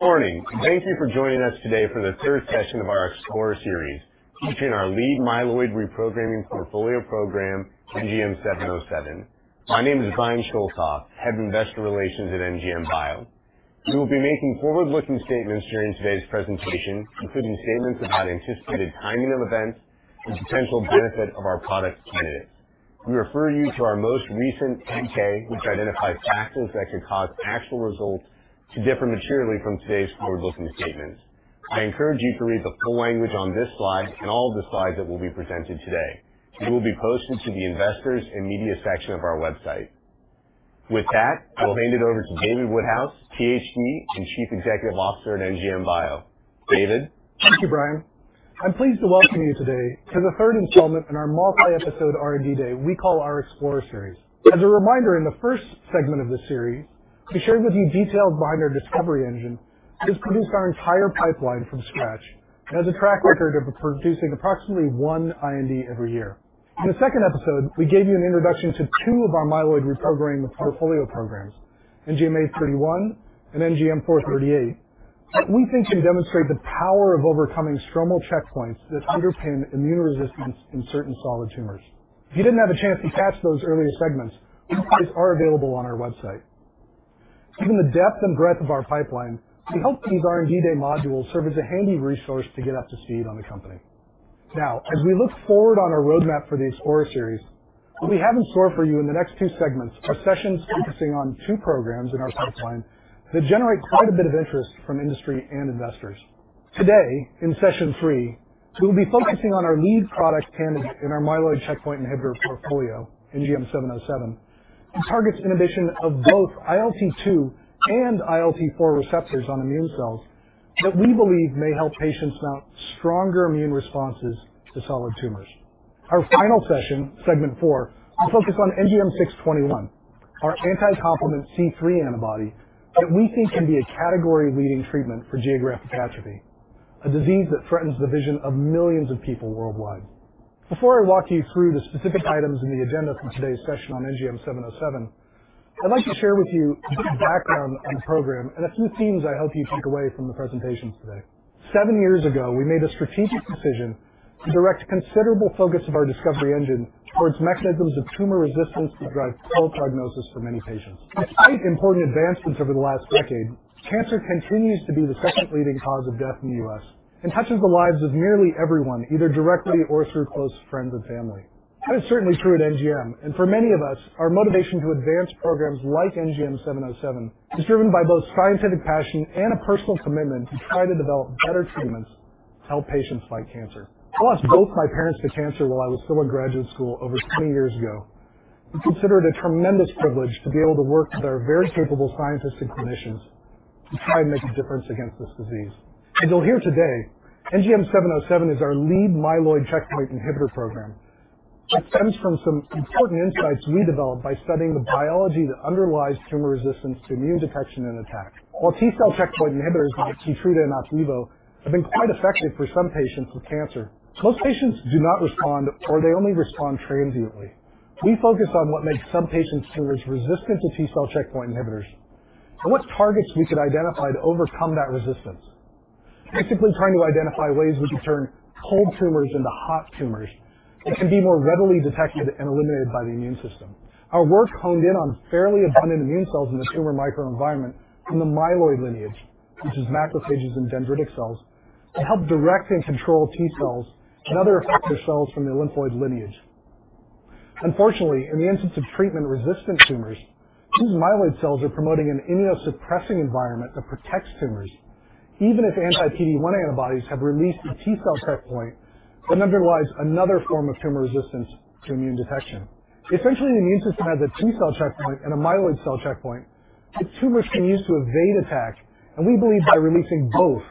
Morning. Thank you for joining us today for the third session of our Explorer Series featuring our lead myeloid reprogramming portfolio program, NGM-707. My name is Brian Schoelkopf, Head of Investor Relations at NGM Biopharmaceuticals. We will be making forward-looking statements during today's presentation, including statements about anticipated timing of events and potential benefit of our product candidates. We refer you to our most recent 10-K, which identifies factors that could cause actual results to differ materially from today's forward-looking statements. I encourage you to read the full language on this slide and all of the slides that will be presented today. It will be posted to the Investors and Media section of our website. With that, I'll hand it over to David Woodhouse, PhD, and Chief Executive Officer at NGM Biopharmaceuticals. David? Thank you, Brian. I'm pleased to welcome you today to the third installment in our multi-episode R&D Day we call our Explorer Series. As a reminder, in the first segment of this series, we shared with you details behind our discovery engine that has produced our entire pipeline from scratch and has a track record of producing approximately one IND every year. In the second episode, we gave you an introduction to two of our myeloid reprogramming portfolio programs, NGM-831 and NGM-438, that we think can demonstrate the power of overcoming stromal checkpoints that underpin immune resistance in certain solid tumors. If you didn't have a chance to catch those earlier segments, both parts are available on our website. Given the depth and breadth of our pipeline, we hope these R&D Day modules serve as a handy resource to get up to speed on the company. Now, as we look forward on our roadmap for the Explorer Series, what we have in store for you in the next two segments are sessions focusing on two programs in our pipeline that generate quite a bit of interest from industry and investors. Today, in session three, we'll be focusing on our lead product candidate in our myeloid checkpoint inhibitor portfolio, NGM-707. It targets inhibition of both ILT2 and ILT4 receptors on immune cells that we believe may help patients mount stronger immune responses to solid tumors. Our final session, segment four, will focus on NGM-621, our anti-complement C3 antibody that we think can be a category-leading treatment for geographic atrophy, a disease that threatens the vision of millions of people worldwide. Before I walk you through the specific items in the agenda for today's session on NGM-707, I'd like to share with you a bit of background on the program and a few themes I hope you take away from the presentations today. Seven years ago, we made a strategic decision to direct considerable focus of our discovery engine towards mechanisms of tumor resistance that drive poor prognosis for many patients. Despite important advancements over the last decade, cancer continues to be the second leading cause of death in the U.S. and touches the lives of nearly everyone, either directly or through close friends and family. That is certainly true at NGM, and for many of us, our motivation to advance programs like NGM-707 is driven by both scientific passion and a personal commitment to try to develop better treatments to help patients fight cancer. I lost both my parents to cancer while I was still in graduate school over 20 years ago and consider it a tremendous privilege to be able to work with our very capable scientists and clinicians to try and make a difference against this disease. As you'll hear today, NGM-707 is our lead myeloid checkpoint inhibitor program that stems from some important insights we developed by studying the biology that underlies tumor resistance to immune detection and attack. While T-cell checkpoint inhibitors like KEYTRUDA and Opdivo have been quite effective for some patients with cancer, most patients do not respond or they only respond transiently. We focus on what makes some patients' tumors resistant to T-cell checkpoint inhibitors and what targets we could identify to overcome that resistance. Basically trying to identify ways we could turn cold tumors into hot tumors that can be more readily detected and eliminated by the immune system. Our work honed in on fairly abundant immune cells in the tumor microenvironment from the myeloid lineage, which is macrophages and dendritic cells, to help direct and control T-cells and other effector cells from the lymphoid lineage. Unfortunately, in the instance of treatment-resistant tumors, these myeloid cells are promoting an immunosuppressing environment that protects tumors, even if anti-PD-1 antibodies have released the T-cell checkpoint that underlies another form of tumor resistance to immune detection. Essentially, the immune system has a T-cell checkpoint and a myeloid cell checkpoint that tumors can use to evade attack, and we believe by releasing both,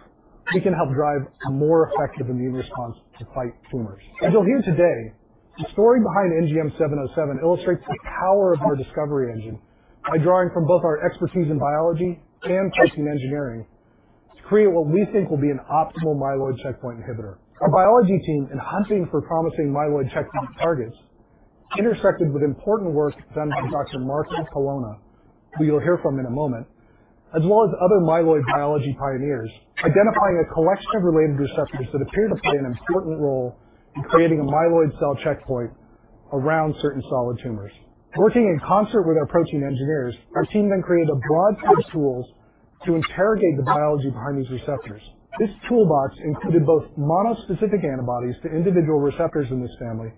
we can help drive a more effective immune response to fight tumors. As you'll hear today, the story behind NGM-707 illustrates the power of our discovery engine by drawing from both our expertise in biology and protein engineering to create what we think will be an optimal myeloid checkpoint inhibitor. Our biology team, in hunting for promising myeloid checkpoint targets, intersected with important work done by Dr. Marco Colonna, who you'll hear from in a moment, as well as other myeloid biology pioneers, identifying a collection of related receptors that appear to play an important role in creating a myeloid cell checkpoint around certain solid tumors. Working in concert with our protein engineers, our team then created a broad set of tools to interrogate the biology behind these receptors. This toolbox included both monospecific antibodies to individual receptors in this family,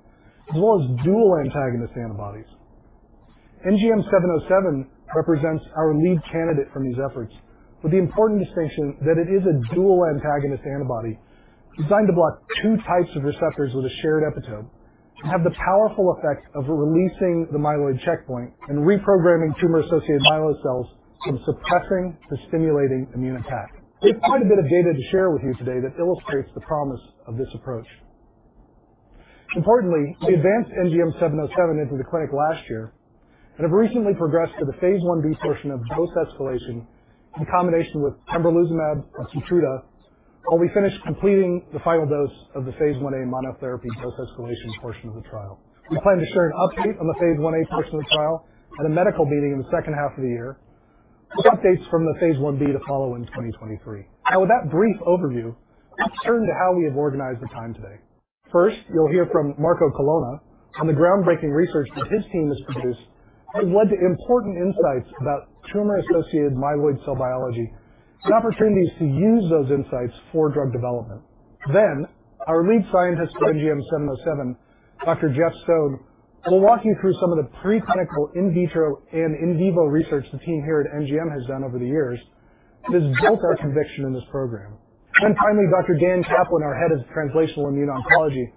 as well as dual antagonist antibodies. NGM-707 represents our lead candidate from these efforts, with the important distinction that it is a dual antagonist antibody designed to block two types of receptors with a shared epitope to have the powerful effect of releasing the myeloid checkpoint and reprogramming tumor-associated myeloid cells from suppressing to stimulating immune attack. We have quite a bit of data to share with you today that illustrates the promise of this approach. Importantly, we advanced NGM-707 into the clinic last year and have recently progressed to the phase 1b portion of dose escalation in combination with pembrolizumab or Keytruda while we finish completing the final dose of the phase 1a monotherapy dose escalation portion of the trial. We plan to share an update on the phase 1a portion of the trial at a medical meeting in the second half of the year. With updates from the phase 1b to follow in 2023. Now with that brief overview, let's turn to how we have organized the time today. First, you'll hear from Marco Colonna on the groundbreaking research that his team has produced that has led to important insights about tumor-associated myeloid cell biology and opportunities to use those insights for drug development. Then our lead scientist for NGM-707, Dr. Jeff H. Sode, will walk you through some of the pre-clinical in vitro and in vivo research the team here at NGM has done over the years that has built our conviction in this program. Then finally, Dr. Dan Kaplan, our head of Translational Immune Oncology,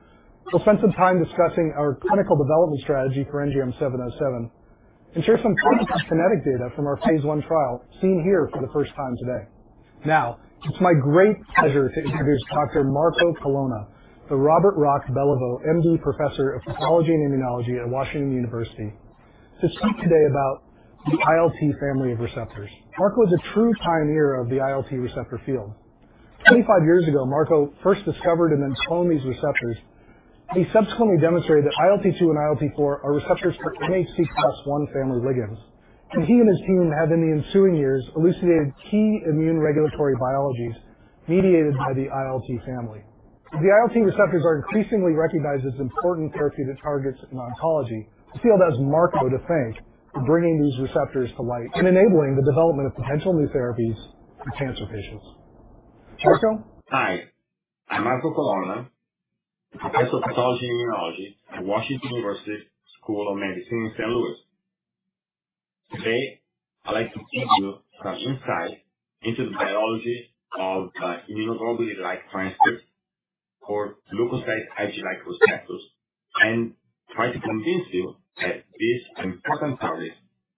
will spend some time discussing our clinical development strategy for NGM-707 and share some promising kinetic data from our phase one trial seen here for the first time today. Now, it's my great pleasure to introduce Dr. Marco Colonna, the Robert Rock Belliveau, MD, Professor of Pathology and Immunology at Washington University, to speak today about the ILT family of receptors. Marco is a true pioneer of the ILT receptor field. 25 years ago, Marco first discovered and then cloned these receptors. He subsequently demonstrated that ILT-2 and ILT-4 are receptors for MHC class I family ligands. He and his team have, in the ensuing years, elucidated key immune regulatory biologies mediated by the ILT family. The ILT receptors are increasingly recognized as important therapeutic targets in oncology. We still have Marco to thank for bringing these receptors to light and enabling the development of potential new therapies for cancer patients. Marco. Hi, I'm Marco Colonna, Professor of Pathology and Immunology at Washington University School of Medicine in St. Louis. Today, I'd like to give you some insight into the biology of the immunoglobulin-like transcript or leukocyte Ig-like receptors and try to convince you that this important target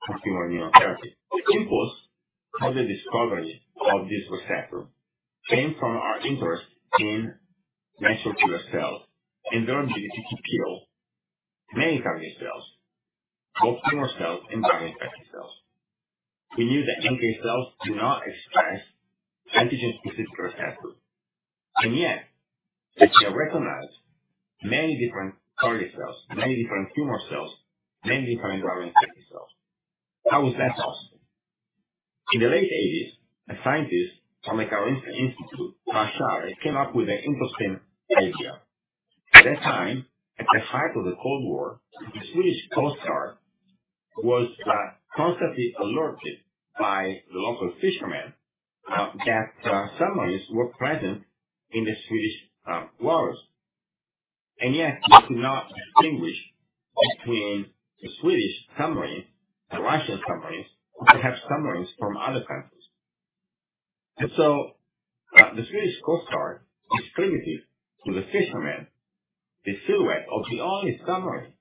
for tumor immunotherapy. The impulse for the discovery of this receptor came from our interest in natural killer cells and their ability to kill many target cells, both tumor cells and virus-infected cells. We knew that NK cells do not express antigen-specific receptors, and yet they can recognize many different target cells, many different tumor cells, many different virus-infected cells. How is that possible? In the late eighties, a scientist from the Karolinska Institutet, Klas Kärre, came up with an interesting idea. At that time, at the height of the Cold War, the Swedish Coast Guard was constantly alerted by the local fishermen that submarines were present in the Swedish waters. Yet they could not distinguish between the Swedish submarines, the Russian submarines, or perhaps submarines from other countries. The Swedish Coast Guard distributed to the fishermen the silhouette of the only submarine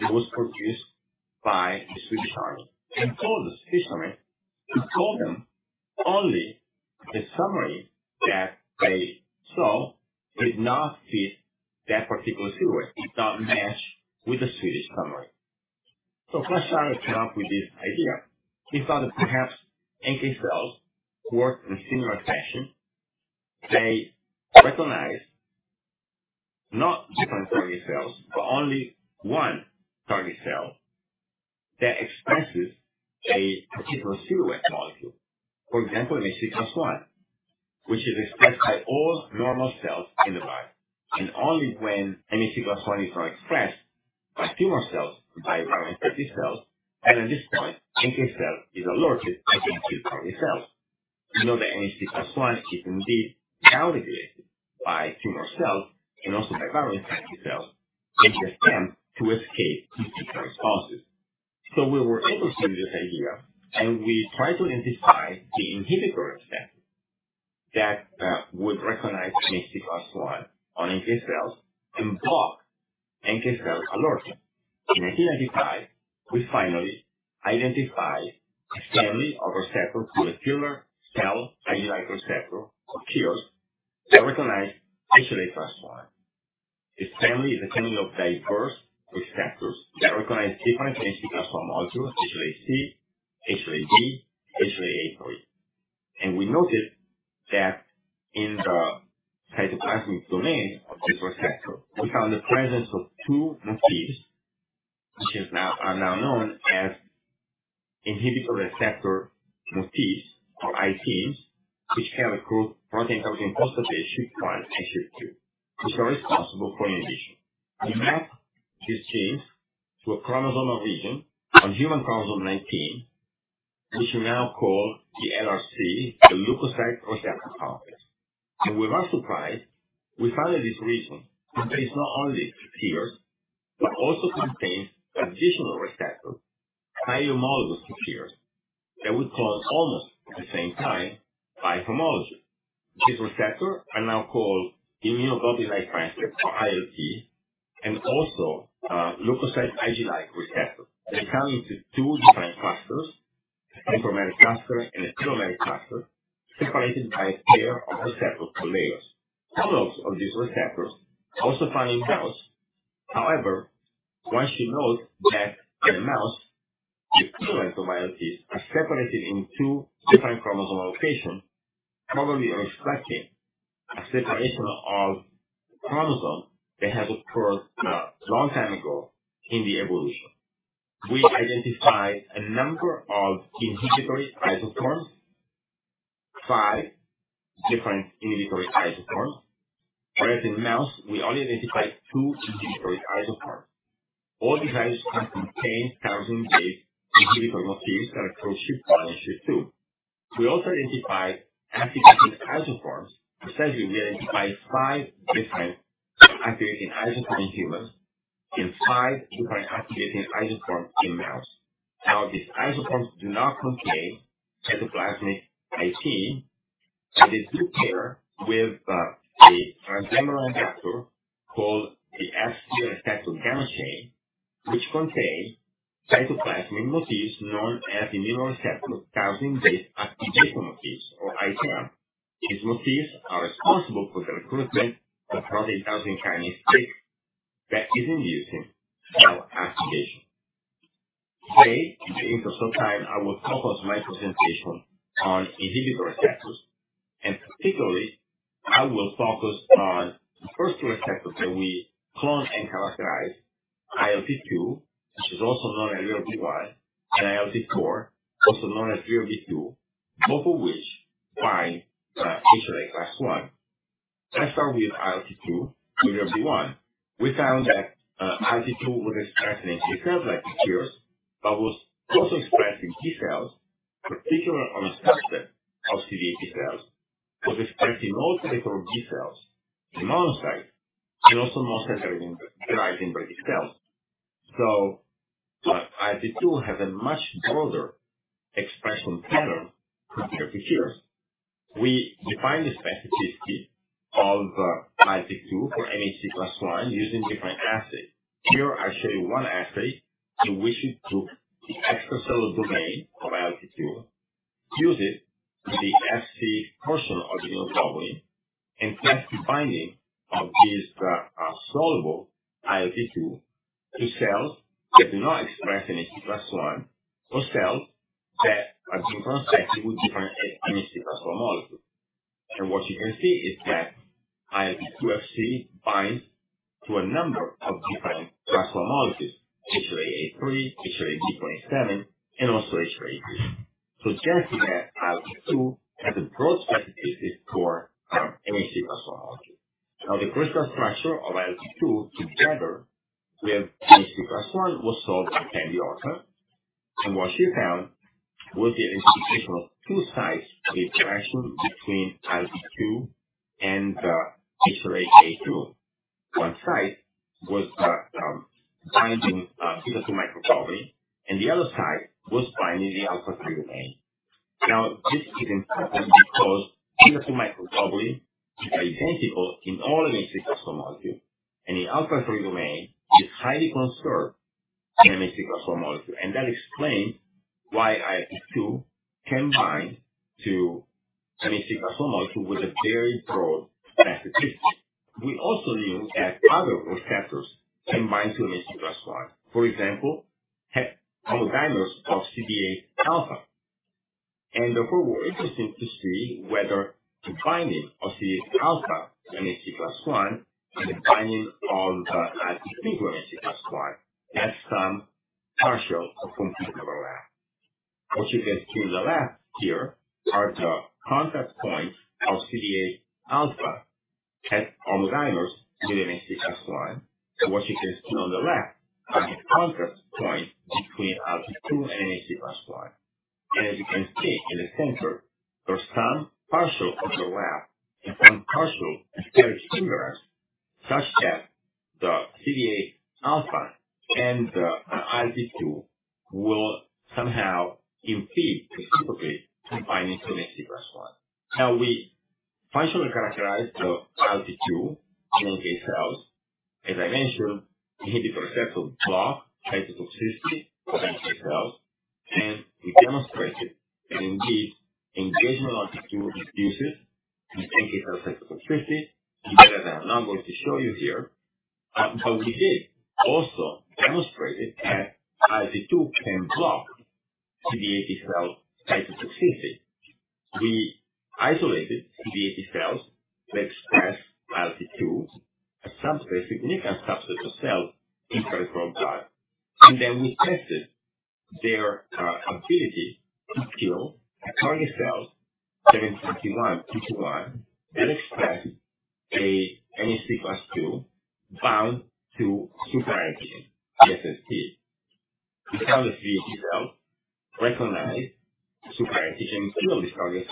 that was produced by the Swedish army and told the fishermen to call them only if the submarine that they saw did not fit that particular silhouette, did not match with the Swedish submarine. Klas Kärre came up with this idea. He thought that perhaps NK cells work in a similar fashion. They recognize not different target cells, but only one target cell that expresses a particular silhouette molecule. For example, MHC class I, which is expressed by all normal cells in the body, and only when MHC class I is not expressed by tumor cells, by virus-infected cells. At this point, NK cell is alerted against these target cells. We know that MHC class I is indeed down-regulated by tumor cells and also by virus-infected cells as an attempt to escape these T cell responses. We were able to use this idea, and we tried to identify the inhibitor receptor that would recognize MHC class I on NK cells and block NK cell alerting. In 1995, we finally identified a family of receptors with a killer cell Ig-like receptor or KIRs that recognize HLA class I. This family is a family of diverse receptors that recognize different MHC class I molecules, HLA-C, HLA-B, HLA-A proteins. We noticed that in the cytoplasmic domain of this receptor, we found the presence of two motifs which are now known as inhibitory receptor motifs or ITIMs, which carry protein tyrosine phosphatase SHP-1 and SHP-2, which are responsible for inhibition. We mapped these genes to a chromosomal region on human chromosome 19, which we now call the LRC, the leukocyte receptor complex. To our surprise, we found that this region contains not only the KIRs, but also contains additional receptors, highly homologous to KIRs that we cloned almost at the same time by homology. These receptors are now called immunoglobulin-like transcripts or ILT and also, leukocyte Ig-like receptors. They come in two different clusters, a tetrameric cluster and a trimeric cluster, separated by a pair of receptor chimeras. Homologs of these receptors are also found in mouse. However, one should note that in mouse, the equivalent of ILTs are separated in two different chromosomal locations, probably reflecting a separation of chromosomes that has occurred, a long time ago in the evolution. We identified a number of inhibitory isoforms. Five different inhibitory isoforms. Whereas in mouse we only identified two inhibitory isoforms. All these isoforms contain tyrosine-based inhibitory motifs that approach SHP-1 and SHP-2. We also identified activating isoforms. Precisely, we identified five different activating isoforms in humans and five different activating isoforms in mouse. Now, these isoforms do not contain cytoplasmic ITAM, but they do pair with, a transmembrane factor called the Fc receptor gamma chain, which contain cytoplasmic motifs known as immunoreceptor tyrosine-based activation motifs or ITAM. These motifs are responsible for the recruitment of protein tyrosine kinase C that is induced in cell activation. Today, in the interest of time, I will focus my presentation on inhibitory receptors, and particularly, I will focus on the first two receptors that we cloned and characterized, ILT2, which is also known as LILRB1, and ILT4, also known as LILRB2, both of which bind HLA class I. Let's start with ILT2 LILRB1. We found that ILT2 was expressed in T cell-like precursors but was also expressed in T cells, particularly on a subset of CD8 T cells. It was expressed in all peripheral B cells, in monocytes, and also most hematopoietic stem cells. The ILT2 has a much broader expression pattern compared to KIR. We define the specificity of ILT2 for MHC class I using different assays. Here I show you one assay in which it took the extracellular domain of ILT2, used the Fc portion of the immunoglobulin, and test the binding of this soluble ILT2 to cells that do not express MHC class I or cells that have been transfected with different MHC class I molecules. What you can see is that ILT2 Fc binds to a number of different class I molecules, HLA-A3, HLA-B27, and also HLA-B. Suggesting that ILT2 has a broad specificity for MHC class I molecule. Now, the crystal structure of ILT2 together with MHC class I was solved by Kannan Natarajan. What she found was the identification of two sites with interaction between ILT2 and the HLA-A2. One site was binding beta-2 microglobulin, and the other site was binding the alpha-3 domain. This is interesting because beta-2 microglobulin is identical in all MHC class I molecules. In alpha-3 domain is highly conserved in MHC class I molecules. That explains why ILT2 can bind to MHC class I molecules with a very broad specificity. We also knew that other receptors can bind to MHC class I, for example, homodimers of CD8α. Therefore, we're interested to see whether the binding of CD8α MHC class I and the binding of the ILT2 MHC class I has some partial or complete overlap. What you can see on the left here are the contact points of CD8α homodimers with MHC class I. What you can see on the right are the contact points between ILT2 and MHC class I. As you can see in the center, there's some partial overlap and some partial and steric clashes such that the CD8 alpha and the ILT2 will somehow impede reciprocally in binding to MHC class I. Now, we functionally characterized the ILT2 in NK cells. As I mentioned, inhibitory receptors block cytotoxicity of NK cells, and we demonstrated that indeed engagement of ILT2 reduces the NK cell cytotoxicity better than I'm now going to show you here, but we did also demonstrate that ILT2 can block CD8 T cell cytotoxicity. We isolated CD8 T cells that express ILT2, a subsurface unique subset of cells in peripheral blood. Then we tested their ability to kill a target cell 721.221 that express a MHC class II bound to superantigen, SST. We found that these T cells recognize superantigen kill the target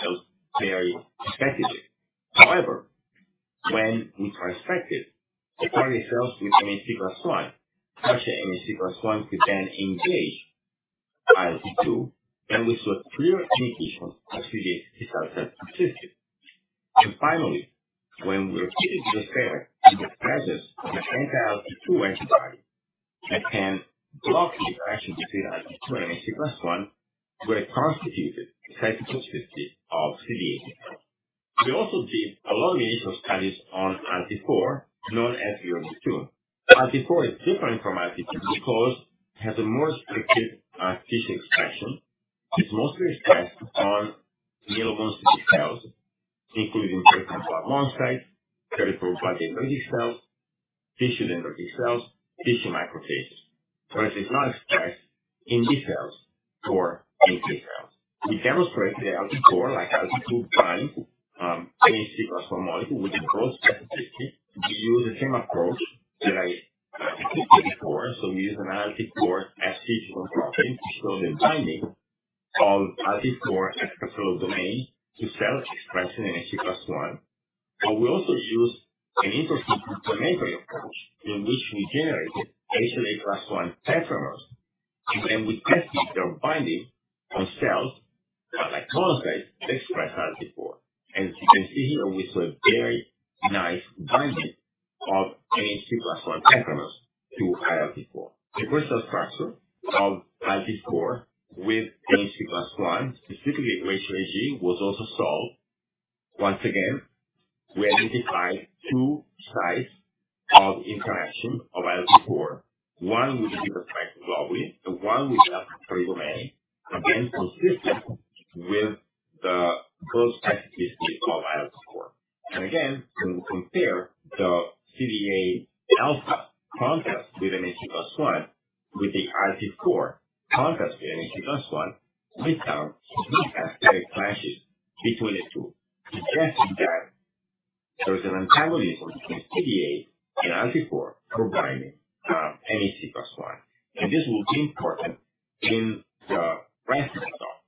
an antagonism between CD8 and ILT4 for binding MHC class I. This will be important in the rest of the talk.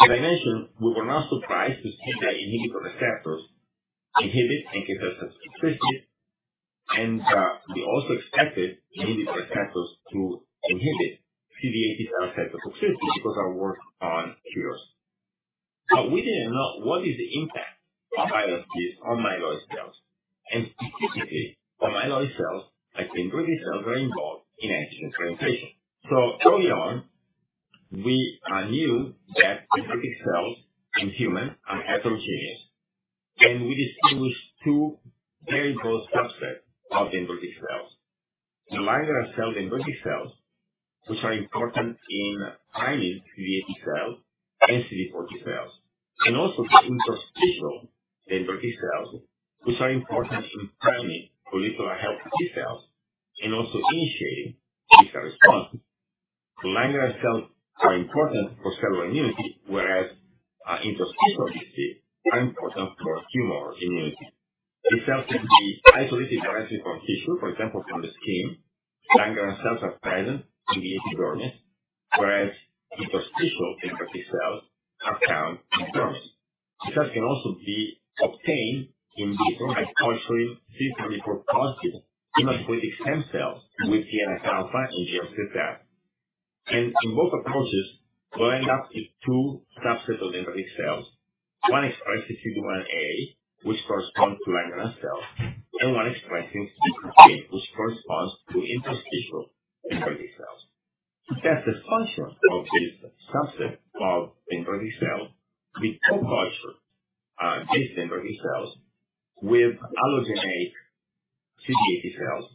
As I mentioned, we were not surprised to see that inhibitory receptors inhibit NK cell cytotoxicity, and we also expected inhibitory receptors to inhibit CD8 T cell cytotoxicity because of our work on KIRs. We didn't know what is the impact of ILTs on myeloid cells, and specifically on myeloid cells, like dendritic cells, that are involved in antigen presentation. Early on, we knew that dendritic cells in humans are heterogeneous, and we distinguished two very broad subset of dendritic cells. The Langerhans cell dendritic cells, which are important in priming CD8 T cells and CD4 T cells, and also the interstitial dendritic cells, which are important in priming follicular helper T cells and also initiating B cell responses. The Langerhans cells are important for cellular immunity, whereas interstitial DCs are important for humoral immunity. These cells can be isolated directly from tissue, for example, from the skin. Langerhans cells are present in the epidermis, whereas interstitial dendritic cells are found in dermis. The cells can also be obtained in vitro by culturing CD34 positive hematopoietic stem cells with IL alpha and GM-CSF. In both approaches, we'll end up with two subsets of dendritic cells. One expressing CD1A, which corresponds to Langerhans cells, and one expressing CD8, which corresponds to interstitial dendritic cells. To test the function of this subset of dendritic cells, we co-cultured these dendritic cells with allogeneic CD8 T cells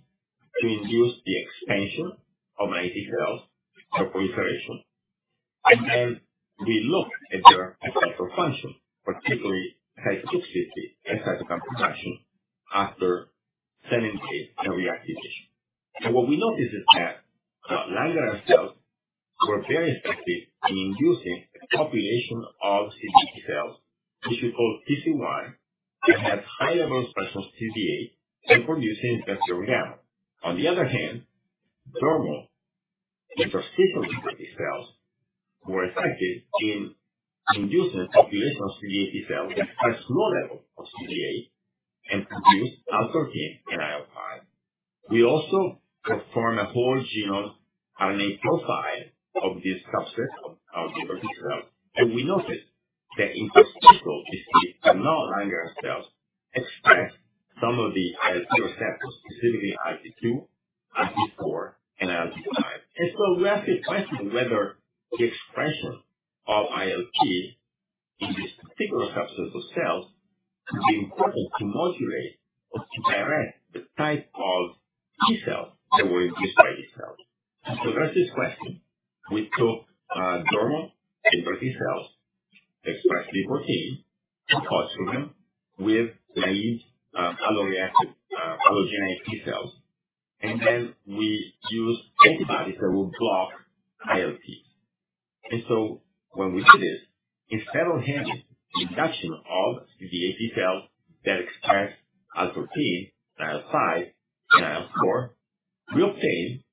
to induce the expansion of NK cells or proliferation. We looked at their effector function, particularly cytotoxicity and interferon production after 7 days of reactivation. What we noticed is that Langerhans cells were very effective in inducing a population of CD8 T cells, which we call TCY, that had high-level expression of CDA and producing interferon gamma. On the other hand, dermal interstitial dendritic cells were effective in inducing a population of CD8 T cells that express low level of CDA and produce IL-13 and IL-5. We also performed a whole genome RNA profile of this subset of our dendritic cells, and we noticed that interstitial DCs, but not Langerhans cells, express some of the ILT receptors, specifically ILT2, ILT4, and ILT5. We asked the question whether the expression of ILT in this particular subset of cells could be important to modulate or to direct the type of T cells that were induced by these cells. To address this question, we took dermal dendritic cells express CD14 and cultured them with naive alloreactive allogeneic T cells. We used antibodies that would block ILTs. When we did it, instead of having the induction of CD8 T cells that express IL-13, IL-5, and IL-4, we obtained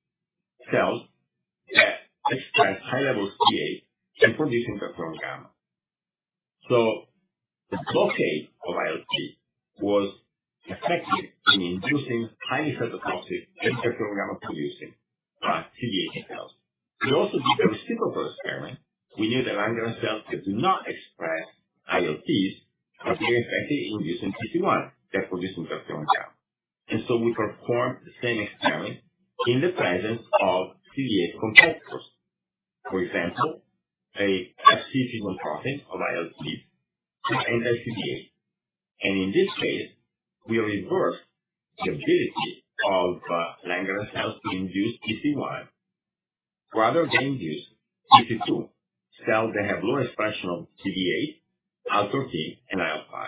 cells that expressed high levels of CD8 and producing interferon gamma. The blockade of ILT was effective in inducing highly cytotoxic interferon gamma-producing CD8 T cells. We also did the reciprocal experiment. We knew that Langerhans cells that do not express ILTs are very effective in inducing TC1, therefore using interferon gamma. We performed the same experiment in the presence of CD8 competitors. For example, an Fc fusion protein of ILT and CD8α. In this case, we reverse the ability of Langerhans cells to induce PC1 rather than induce PC2 cells that have lower expression of CD8, IL-13, and IL-5.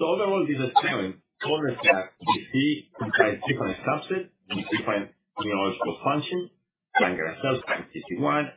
Overall, this experiment told us that DC comprise different subsets with different immunological function. Langerhans cells are in PC1.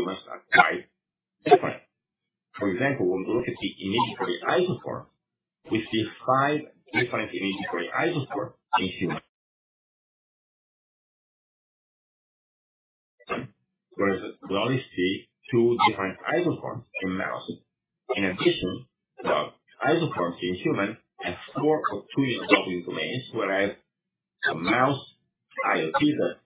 humans are quite different. For example, when we look at the LILRB4 isoforms, we see five different LILRB4 isoforms in human. Whereas in mouse we see two different isoforms in mouse. In addition, the isoforms in human have four C-terminal immunoglobulin domains, whereas the mouse ILT has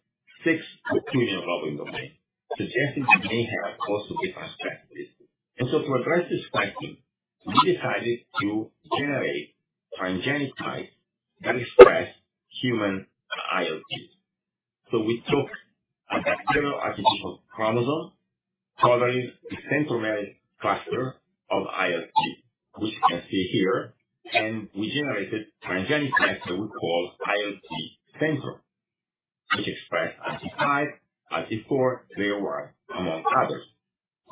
six C-terminal immunoglobulin domains, suggesting they may have also different specificities. To address this question, we decided to generate transgenic mice that express human ILT. We took a bacterial artificial chromosome covering the centromeric cluster of ILT, which you can see here, and we generated transgenic mice that we call ILT-centric, which express ILT-5, ILT4, LILRB1, among others.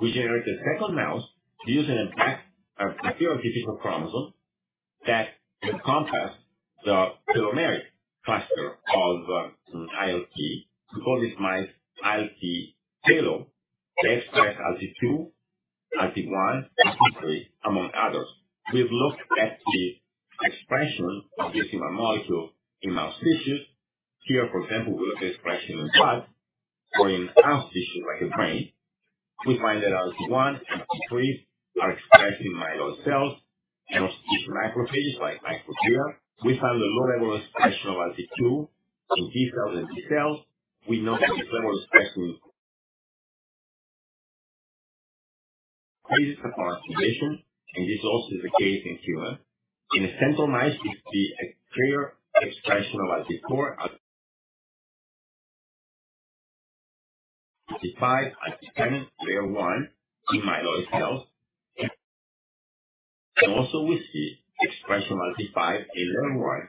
We generated a second mouse using a BAC, a bacterial artificial chromosome that encompass the telomeric cluster of ILT. We call these mice ILT telo. They express ILT2, ILT1, ILT3, among others. We've looked at the expression of this human molecule in mouse tissues. Here, for example, we look at expression in blood or in mouse tissue like the brain. We find that ILT1 and ILT3 are expressed in myeloid cells and also in macrophages like microglia. We found a low level of expression of ILT2 in T cells and B cells. We note a different level of expression. This is our observation, and this also is the case in human. In ILT-centric mice, we see a clear expression of ILT4, ILT5, ILT7, LILRB1 in myeloid cells. We see expression of ILT5 and LILRB1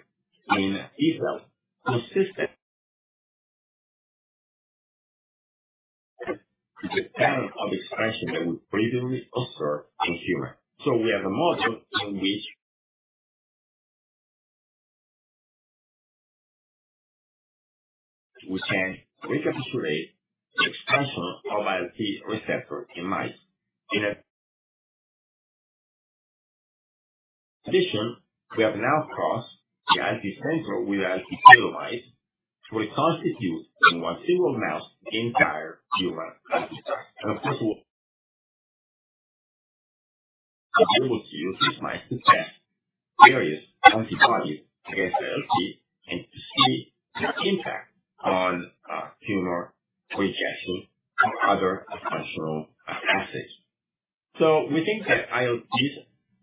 in T cells consistent with the pattern of expression that we previously observed in human. We have a model in which we can recapitulate the expression of ILT receptor in mice. In addition, we have now crossed the ILT-centric with ILT telo mice to reconstitute in one single mouse the entire human ILT. Of course, we'll be able to use these mice to test various antibodies against ILT and to see their impact on tumor rejection or other functional assays. We think that ILTs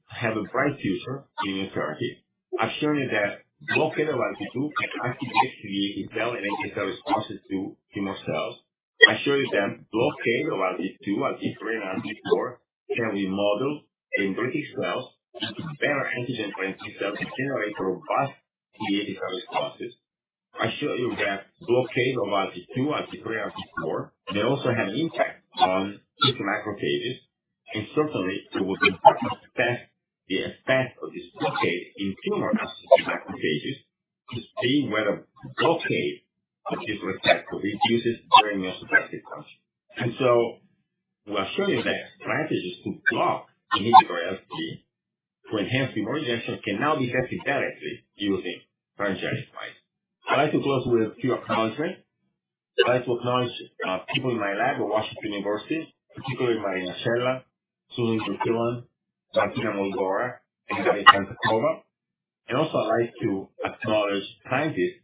have a bright future in immunotherapy. I've shown you that blockade of ILT2 can activate the cell and NK cell responses to tumor cells. I showed you that blockade of ILT2, ILT3, and ILT4 can remodel dendritic cells to prepare antigen-presenting cells to generate robust CD8 T cell responses. I showed you that blockade of ILT2, ILT3, and ILT4, they also have impact on tumor macrophages. Certainly, it will be important to test the effect of this blockade in tumor associated macrophages to see whether blockade of this receptor reduces immune suppressive function. We are showing you that strategies to block immune regulatory for enhanced immune rejection can now be tested directly using transgenic mice. I'd like to close with a few acknowledgments. I'd like to acknowledge people in my lab at Washington University, particularly Maria Scheller, Kimberly McPherson, Marina Cella, and Gaya Santacroce. I'd like to acknowledge scientists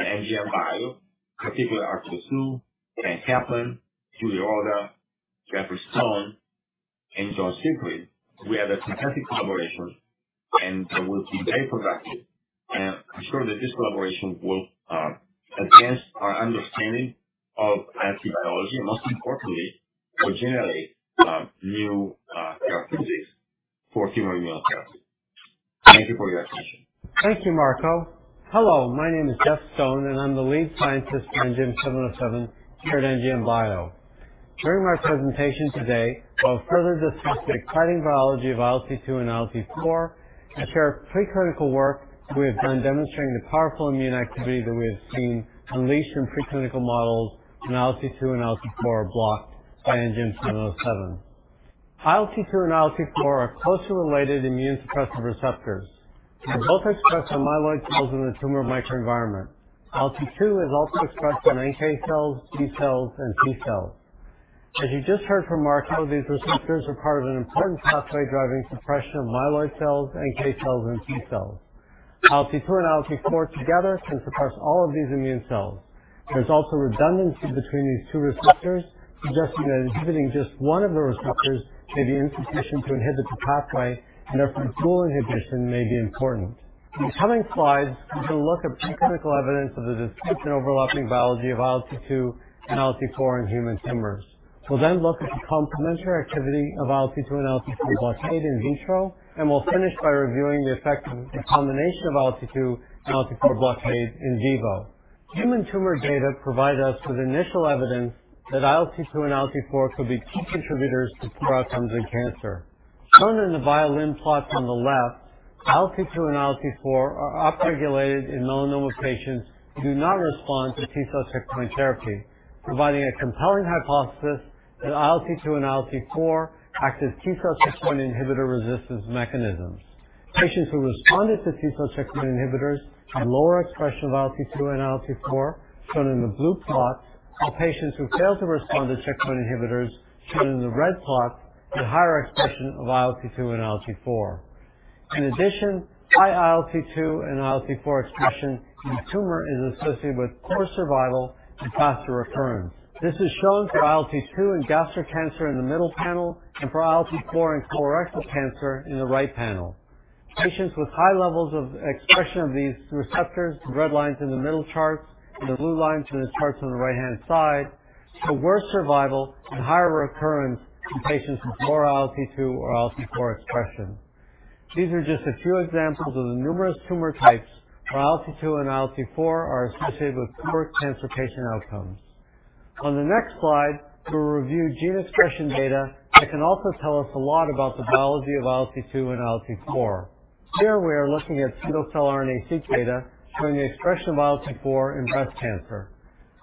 at NGM Bio, particularly Arthur Hsu, Daniel Kaplan, Julia Roga, Jeffrey Stone, and John C. Siegfried. We had a fantastic collaboration, and it will be very productive. I'm sure that this collaboration will advance our understanding of ILT biology, and most importantly, will generate new therapies for tumor immunotherapy. Thank you for your attention. Thank you, Marco. Hello, my name is Jeff Stone, and I'm the lead scientist for NGM-707 here at NGM Bio. During my presentation today, I'll further discuss the exciting biology of ILT2 and ILT4 and share preclinical work we have done demonstrating the powerful immune activity that we have seen unleashed in preclinical models when ILT2 and ILT4 are blocked by NGM-707. ILT2 and ILT4 are closely related immunosuppressive receptors. They're both expressed on myeloid cells in the tumor microenvironment. ILT2 is also expressed on NK cells, B cells, and T cells. As you just heard from Marco, these receptors are part of an important pathway driving suppression of myeloid cells, NK cells, and T cells. ILT2 and ILT4 together can suppress all of these immune cells. There's also redundancy between these two receptors, suggesting that inhibiting just one of the receptors may be insufficient to inhibit the pathway, and therefore, dual inhibition may be important. In the coming slides, we'll look at preclinical evidence of the described overlapping biology of ILT2 and ILT4 in human tumors. We'll then look at the complementary activity of ILT2 and ILT4 blockade in vitro, and we'll finish by reviewing the effect of the combination of ILT2 and ILT4 blockade in vivo. Human tumor data provide us with initial evidence that ILT2 and ILT4 could be key contributors to poor outcomes in cancer. Shown in the violin plots on the left, ILT2 and ILT4 are upregulated in melanoma patients who do not respond to T cell checkpoint therapy, providing a compelling hypothesis that ILT2 and ILT4 act as T cell checkpoint inhibitor resistance mechanisms. Patients who responded to T cell checkpoint inhibitors had lower expression of ILT2 and ILT4, shown in the blue plots, while patients who failed to respond to checkpoint inhibitors, shown in the red plots, had higher expression of ILT2 and ILT4. In addition, high ILT2 and ILT4 expression in the tumor is associated with poor survival and faster recurrence. This is shown for ILT2 in gastric cancer in the middle panel and for ILT4 in colorectal cancer in the right panel. Patients with high levels of expression of these receptors, the red lines in the middle charts and the blue lines in the charts on the right-hand side, show worse survival and higher recurrence in patients with lower ILT2 or ILT4 expression. These are just a few examples of the numerous tumor types where ILT2 and ILT4 are associated with poor cancer patient outcomes. On the next slide, we'll review gene expression data that can also tell us a lot about the biology of ILT2 and ILT4. Here we are looking at single-cell RNA-seq data showing the expression of ILT4 in breast cancer.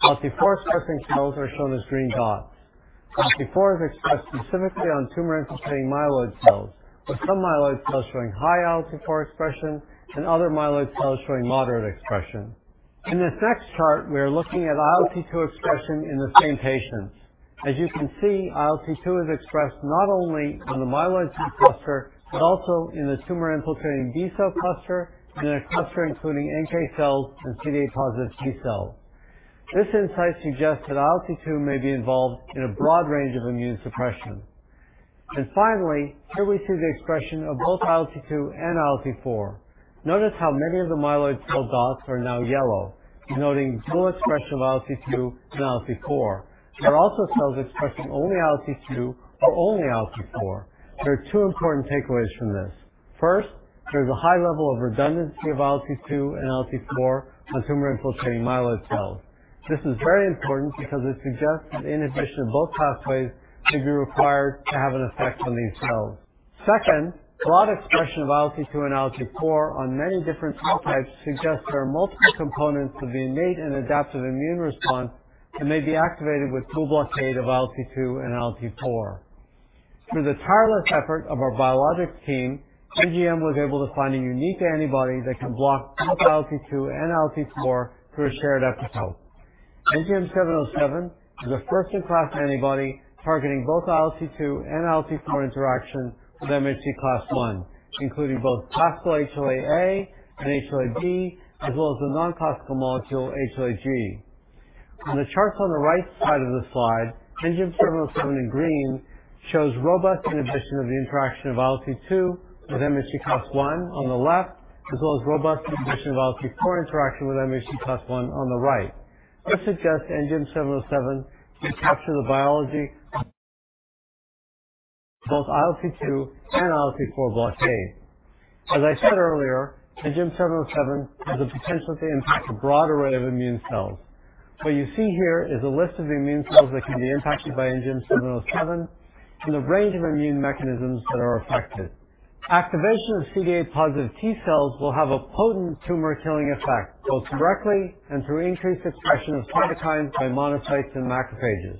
ILT4 expressing cells are shown as green dots. ILT4 is expressed specifically on tumor-infiltrating myeloid cells, with some myeloid cells showing high ILT4 expression and other myeloid cells showing moderate expression. In this next chart, we are looking at ILT2 expression in the same patients. As you can see, ILT2 is expressed not only in the myeloid T cluster, but also in the tumor-infiltrating B cell cluster and in a cluster including NK cells and CD8-positive T cells. This insight suggests that ILT2 may be involved in a broad range of immune suppression. Finally, here we see the expression of both ILT2 and ILT4. Notice how many of the myeloid cell dots are now yellow, denoting dual expression of ILT2 and ILT4. There are also cells expressing only ILT2 or only ILT4. There are two important takeaways from this. First, there is a high level of redundancy of ILT2 and ILT4 on tumor-infiltrating myeloid cells. This is very important because it suggests that inhibition of both pathways should be required to have an effect on these cells. Second, broad expression of ILT2 and ILT4 on many different cell types suggests there are multiple components of the innate and adaptive immune response that may be activated with dual blockade of ILT2 and ILT4. Through the tireless effort of our biologics team, NGM was able to find a unique antibody that can block both ILT2 and ILT4 through a shared epitope. NGM-707 is a first-in-class antibody targeting both ILT2 and ILT4 interaction with MHC class I, including both classical HLA-A and HLA-B, as well as the non-classical molecule HLA-G. On the charts on the right side of the slide, NGM-707 in green shows robust inhibition of the interaction of ILT2 with MHC class I on the left, as well as robust inhibition of ILT4 interaction with MHC class I on the right. This suggests NGM-707 can capture the biology of both ILT2 and ILT4 blockade. As I said earlier, NGM-707 has the potential to impact a broad array of immune cells. What you see here is a list of immune cells that can be impacted by NGM-707 and the range of immune mechanisms that are affected. Activation of CD8-positive T cells will have a potent tumor-killing effect, both directly and through increased expression of cytokines by monocytes and macrophages.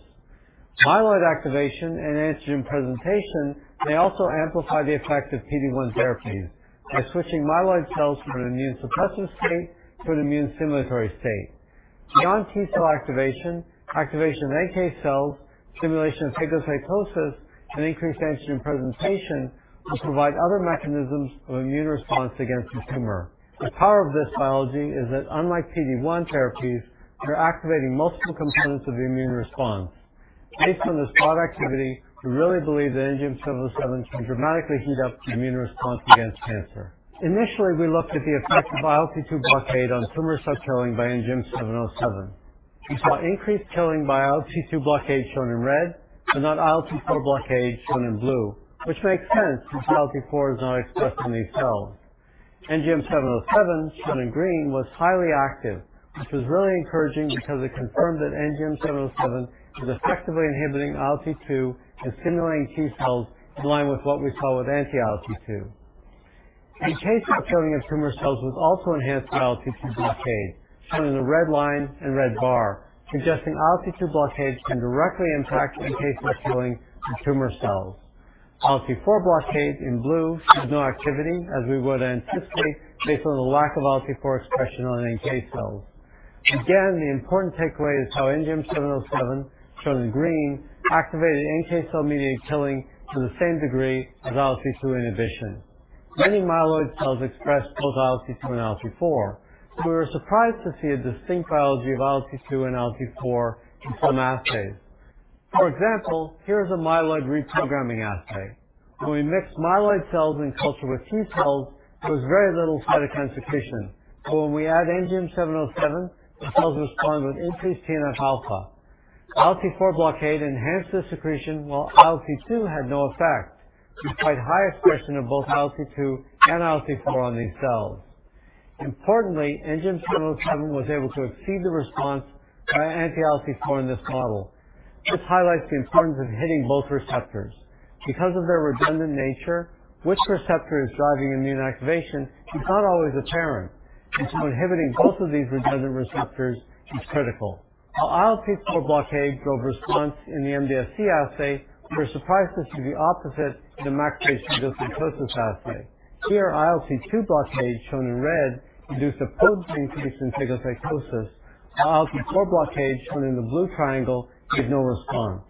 Myeloid activation and antigen presentation may also amplify the effect of PD-1 therapies by switching myeloid cells from an immune-suppressive state to an immune-stimulatory state. Non-T cell activation of NK cells, stimulation of phagocytosis, and increased antigen presentation will provide other mechanisms of immune response against the tumor. The power of this biology is that unlike PD-1 therapies, we are activating multiple components of the immune response. Based on this broad activity, we really believe that NGM-707 can dramatically heat up the immune response against cancer. Initially, we looked at the effect of ILT2 blockade on tumor cell killing by NGM-707. We saw increased killing by ILT2 blockade shown in red, but not ILT4 blockade shown in blue, which makes sense since ILT4 is not expressed in these cells. NGM-707, shown in green, was highly active, which was really encouraging because it confirmed that NGM-707 is effectively inhibiting ILT2 and stimulating T cells in line with what we saw with anti-ILT2. The case of killing of tumor cells was also enhanced by ILT2 blockade, shown in the red line and red bar, suggesting ILT2 blockade can directly impact the case of killing in tumor cells. ILT4 blockade in blue has no activity, as we would anticipate based on the lack of ILT4 expression on NK cells. Again, the important takeaway is how NGM-707, shown in green, activated NK cell-mediated killing to the same degree as ILT2 inhibition. Many myeloid cells express both ILT2 and ILT4, so we were surprised to see a distinct biology of ILT2 and ILT4 in some assays. For example, here is a myeloid reprogramming assay. When we mixed myeloid cells in culture with T cells, there was very little cytokine secretion. When we add NGM-707, the cells respond with increased TNF-alpha. ILT4 blockade enhanced this secretion while ILT2 had no effect, despite high expression of both ILT2 and ILT4 on these cells. Importantly, NGM-707 was able to exceed the response by anti-ILT4 in this model. This highlights the importance of hitting both receptors. Because of their redundant nature, which receptor is driving immune activation is not always apparent, and so inhibiting both of these redundant receptors is critical. While ILT4 blockade drove response in the MDSC assay, we were surprised to see this to be opposite in the macrophage phagocytosis assay. Here, ILT2 blockade, shown in red, induced a potent increase in phagocytosis, while ILT4 blockade, shown in the blue triangle, gave no response.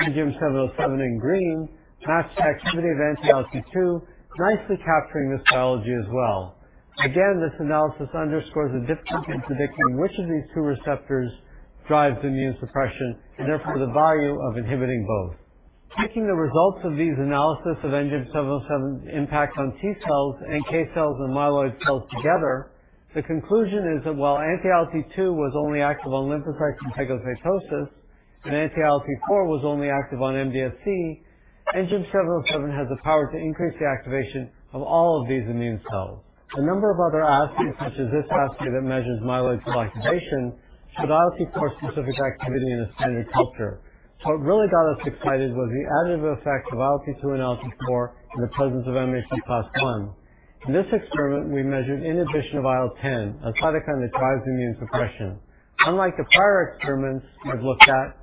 NGM-707 in green matched the activity of anti-ILT2, nicely capturing this biology as well. Again, this analysis underscores the difficulty of predicting which of these two receptors drives immune suppression and therefore the value of inhibiting both. Taking the results of these analyses of NGM-707's impact on T cells, NK cells, and myeloid cells together, the conclusion is that while anti-ILT2 was only active on lymphocytes and phagocytosis and anti-ILT4 was only active on MDSC, NGM-707 has the power to increase the activation of all of these immune cells. A number of other assays, such as this assay that measures myeloid cell activation, showed IL-4-specific activity in a standard culture. What really got us excited was the additive effect of IL-2 and IL-4 in the presence of MHC class I. In this experiment, we measured inhibition of IL-10, a cytokine that drives immune suppression. Unlike the prior experiments we've looked at,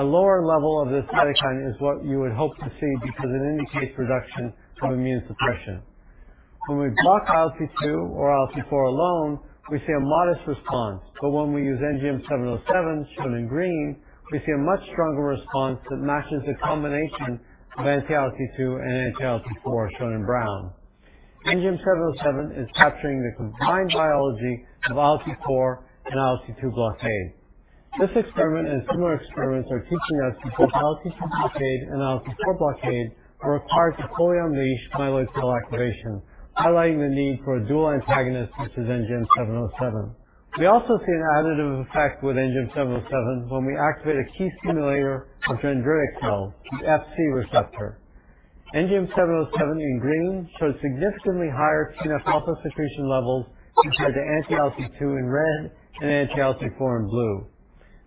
a lower level of this cytokine is what you would hope to see because it indicates reduction of immune suppression. When we block IL-2 or IL-4 alone, we see a modest response. When we use NGM-707, shown in green, we see a much stronger response that matches the combination of anti-IL-2 and anti-IL-4, shown in brown. NGM-707 is capturing the combined biology of IL-4 and IL-2 blockade. This experiment and similar experiments are teaching us that both ILT2 blockade and ILT4 blockade are required to fully unleash myeloid cell activation, highlighting the need for a dual antagonist such as NGM-707. We also see an additive effect with NGM-707 when we activate a key stimulator of dendritic cells, the Fc receptor. NGM-707 in green shows significantly higher TNF-alpha secretion levels compared to anti-ILT2 in red and anti-ILT4 in blue.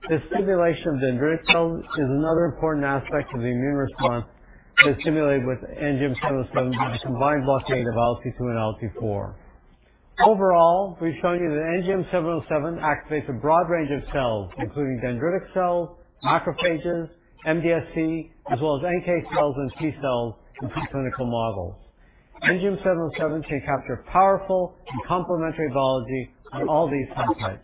This stimulation of dendritic cells is another important aspect of the immune response that is stimulated with NGM-707 with a combined blockade of ILT2 and ILT4. Overall, we've shown you that NGM-707 activates a broad range of cells, including dendritic cells, macrophages, MDSC, as well as NK cells and T cells in preclinical models. NGM-707 can capture powerful and complementary biology on all these cell types.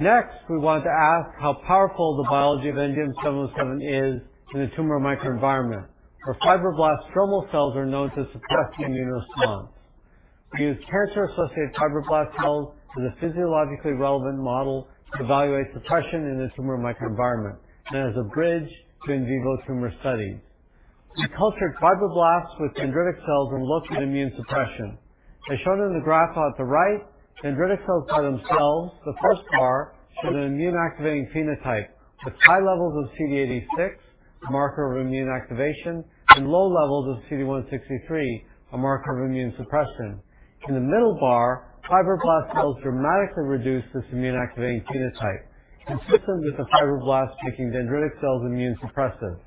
Next, we want to ask how powerful the biology of NGM-707 is in the tumor microenvironment, where fibroblast stromal cells are known to suppress the immune response. We use cancer-associated fibroblast cells as a physiologically relevant model to evaluate suppression in the tumor microenvironment and as a bridge to in vivo tumor studies. We cultured fibroblasts with dendritic cells and looked at immune suppression. As shown in the graph on the right, dendritic cells by themselves, the first bar, show an immune activating phenotype with high levels of CD86, a marker of immune activation, and low levels of CD163, a marker of immune suppression. In the middle bar, fibroblast cells dramatically reduce this immune activating phenotype, consistent with the fibroblasts making dendritic cells immune suppressive.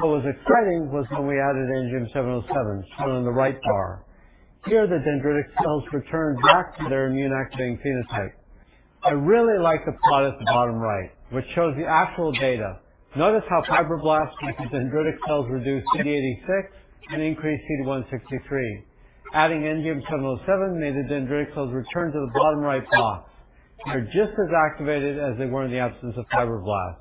What was exciting was when we added NGM-707, shown on the right bar. Here, the dendritic cells returned back to their immune activating phenotype. I really like the plot at the bottom right, which shows the actual data. Notice how fibroblasts make the dendritic cells reduce CD86 and increase CD163. Adding NGM-707 made the dendritic cells return to the bottom right box. They're just as activated as they were in the absence of fibroblasts.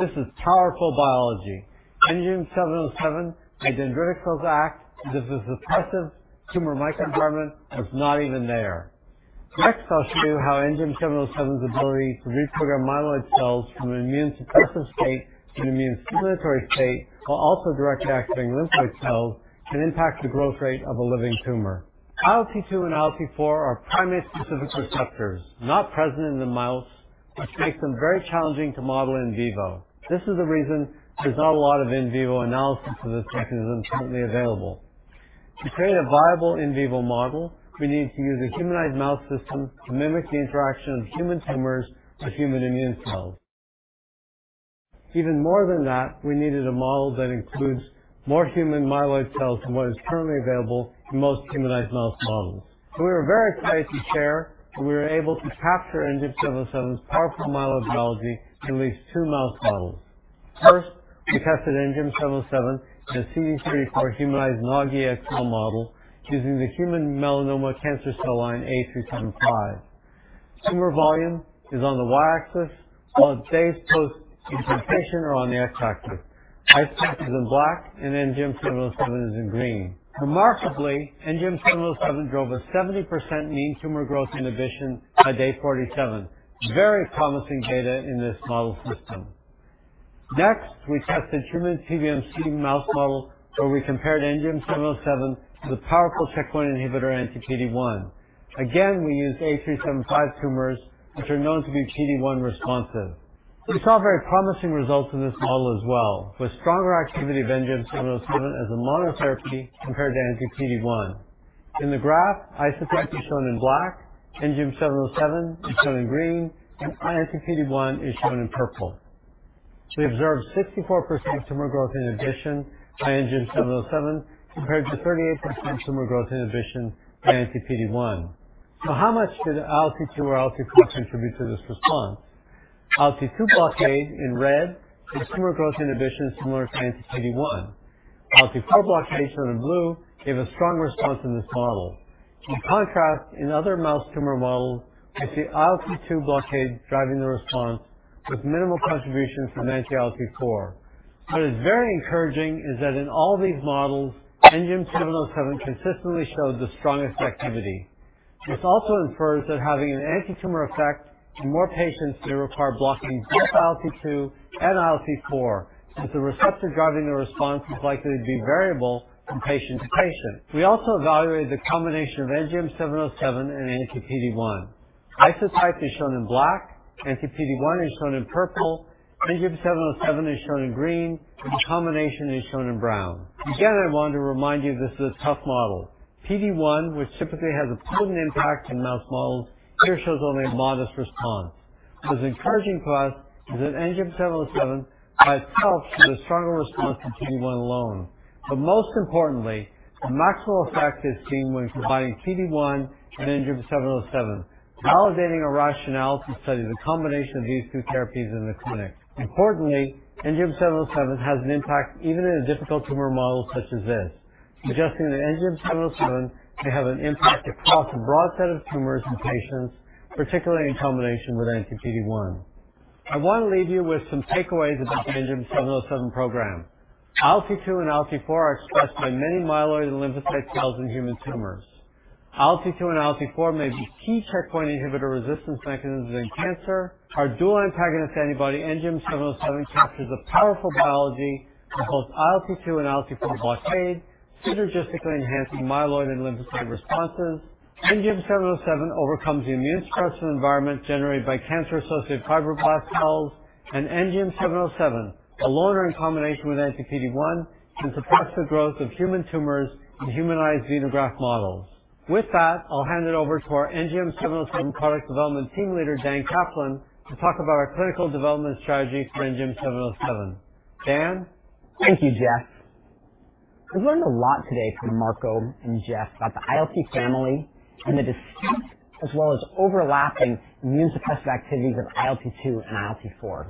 This is powerful biology. NGM-707 made dendritic cells act as if the suppressive tumor microenvironment was not even there. Next, I'll show you how NGM-707's ability to reprogram myeloid cells from an immune suppressive state to an immune stimulatory state while also directly activating lymphocyte cells can impact the growth rate of a living tumor. ILT2 and ILT4 are primate-specific receptors not present in the mouse, which makes them very challenging to model in vivo. This is the reason there's not a lot of in vivo analysis of this mechanism currently available. To create a viable in vivo model, we needed to use a humanized mouse system to mimic the interaction of human tumors with human immune cells. Even more than that, we needed a model that includes more human myeloid cells than what is currently available in most humanized mouse models. We are very excited to share that we were able to capture NGM-707's powerful myeloid biology in these two mouse models. First, we tested NGM-707 in a CD34 humanized NOG-SCID model using the human melanoma cancer cell line A375. Tumor volume is on the y-axis while days post implantation are on the x-axis. Isotype is in black and NGM-707 is in green. Remarkably, NGM-707 drove a 70% mean tumor growth inhibition by day 47. Very promising data in this model system. Next, we tested human PBMC humanized mouse model, where we compared NGM-707 to the powerful checkpoint inhibitor anti-PD-1. Again, we used A375 tumors, which are known to be PD-1 responsive. We saw very promising results in this model as well, with stronger activity of NGM-707 as a monotherapy compared to anti-PD-1. In the graph, isotype is shown in black, NGM-707 is shown in green, and anti-PD-1 is shown in purple. We observed 64% tumor growth inhibition by NGM-707 compared to 38% tumor growth inhibition by anti-PD-1. How much did ILT2 or ILT4 contribute to this response? ILT2 blockade in red is tumor growth inhibition similar to anti-PD-1. ILT4 blockade, shown in blue, gave a strong response in this model. In contrast, in other mouse tumor models, we see ILT2 blockade driving the response with minimal contribution from anti-ILT4. What is very encouraging is that in all these models, NGM-707 consistently showed the strongest activity. This also infers that having an antitumor effect in more patients may require blocking both ILT2 and ILT4, as the receptor driving the response is likely to be variable from patient to patient. We also evaluated the combination of NGM-707 and anti-PD-1. Isotype is shown in black, anti-PD-1 is shown in purple, NGM-707 is shown in green, and the combination is shown in brown. Again, I want to remind you this is a tough model. PD-1, which typically has a potent impact in mouse models, here shows only a modest response. What is encouraging to us is that NGM-707 by itself shows a stronger response than PD-1 alone. Most importantly, the maximal effect is seen when combining PD-1 and NGM-707, validating our rationale to study the combination of these two therapies in the clinic. Importantly, NGM-707 has an impact even in a difficult tumor model such as this, suggesting that NGM-707 may have an impact across a broad set of tumors in patients, particularly in combination with anti-PD-1. I want to leave you with some takeaways about the NGM-707 program. ILT2 and ILT4 are expressed by many myeloid and lymphocyte cells in human tumors. ILT2 and ILT4 may be key checkpoint inhibitor resistance mechanisms in cancer. Our dual antagonist antibody, NGM-707, captures a powerful biology for both ILT2 and ILT4 blockade, synergistically enhancing myeloid and lymphocyte responses. NGM-707 overcomes the immune suppression environment generated by cancer-associated fibroblast cells. NGM-707, alone or in combination with anti-PD-1, can suppress the growth of human tumors in humanized xenograft models. With that, I'll hand it over to our NGM-707 product development team leader, Daniel Kaplan, to talk about our clinical development strategy for NGM-707. Dan? Thank you, Jeff. We've learned a lot today from Marco and Jeff about the ILT family and the distinct as well as overlapping immune suppressive activities of ILT2 and ILT4.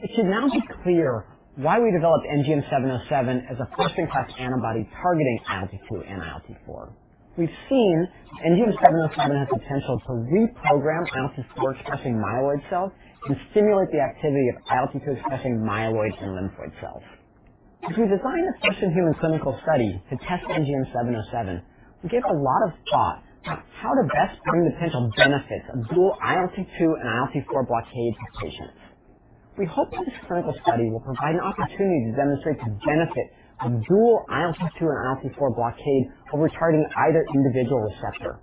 It should now be clear why we developed NGM-707 as a first-in-class antibody targeting ILT2 and ILT4. We've seen NGM-707 has potential to reprogram ILT4-expressing myeloid cells and stimulate the activity of ILT2-expressing myeloid and lymphoid cells. As we design the first-in-human clinical study to test NGM-707, we gave a lot of thought to how to best bring the potential benefits of dual ILT2 and ILT4 blockade to patients. We hope that this clinical study will provide an opportunity to demonstrate the benefit of dual ILT2 and ILT4 blockade over targeting either individual receptor,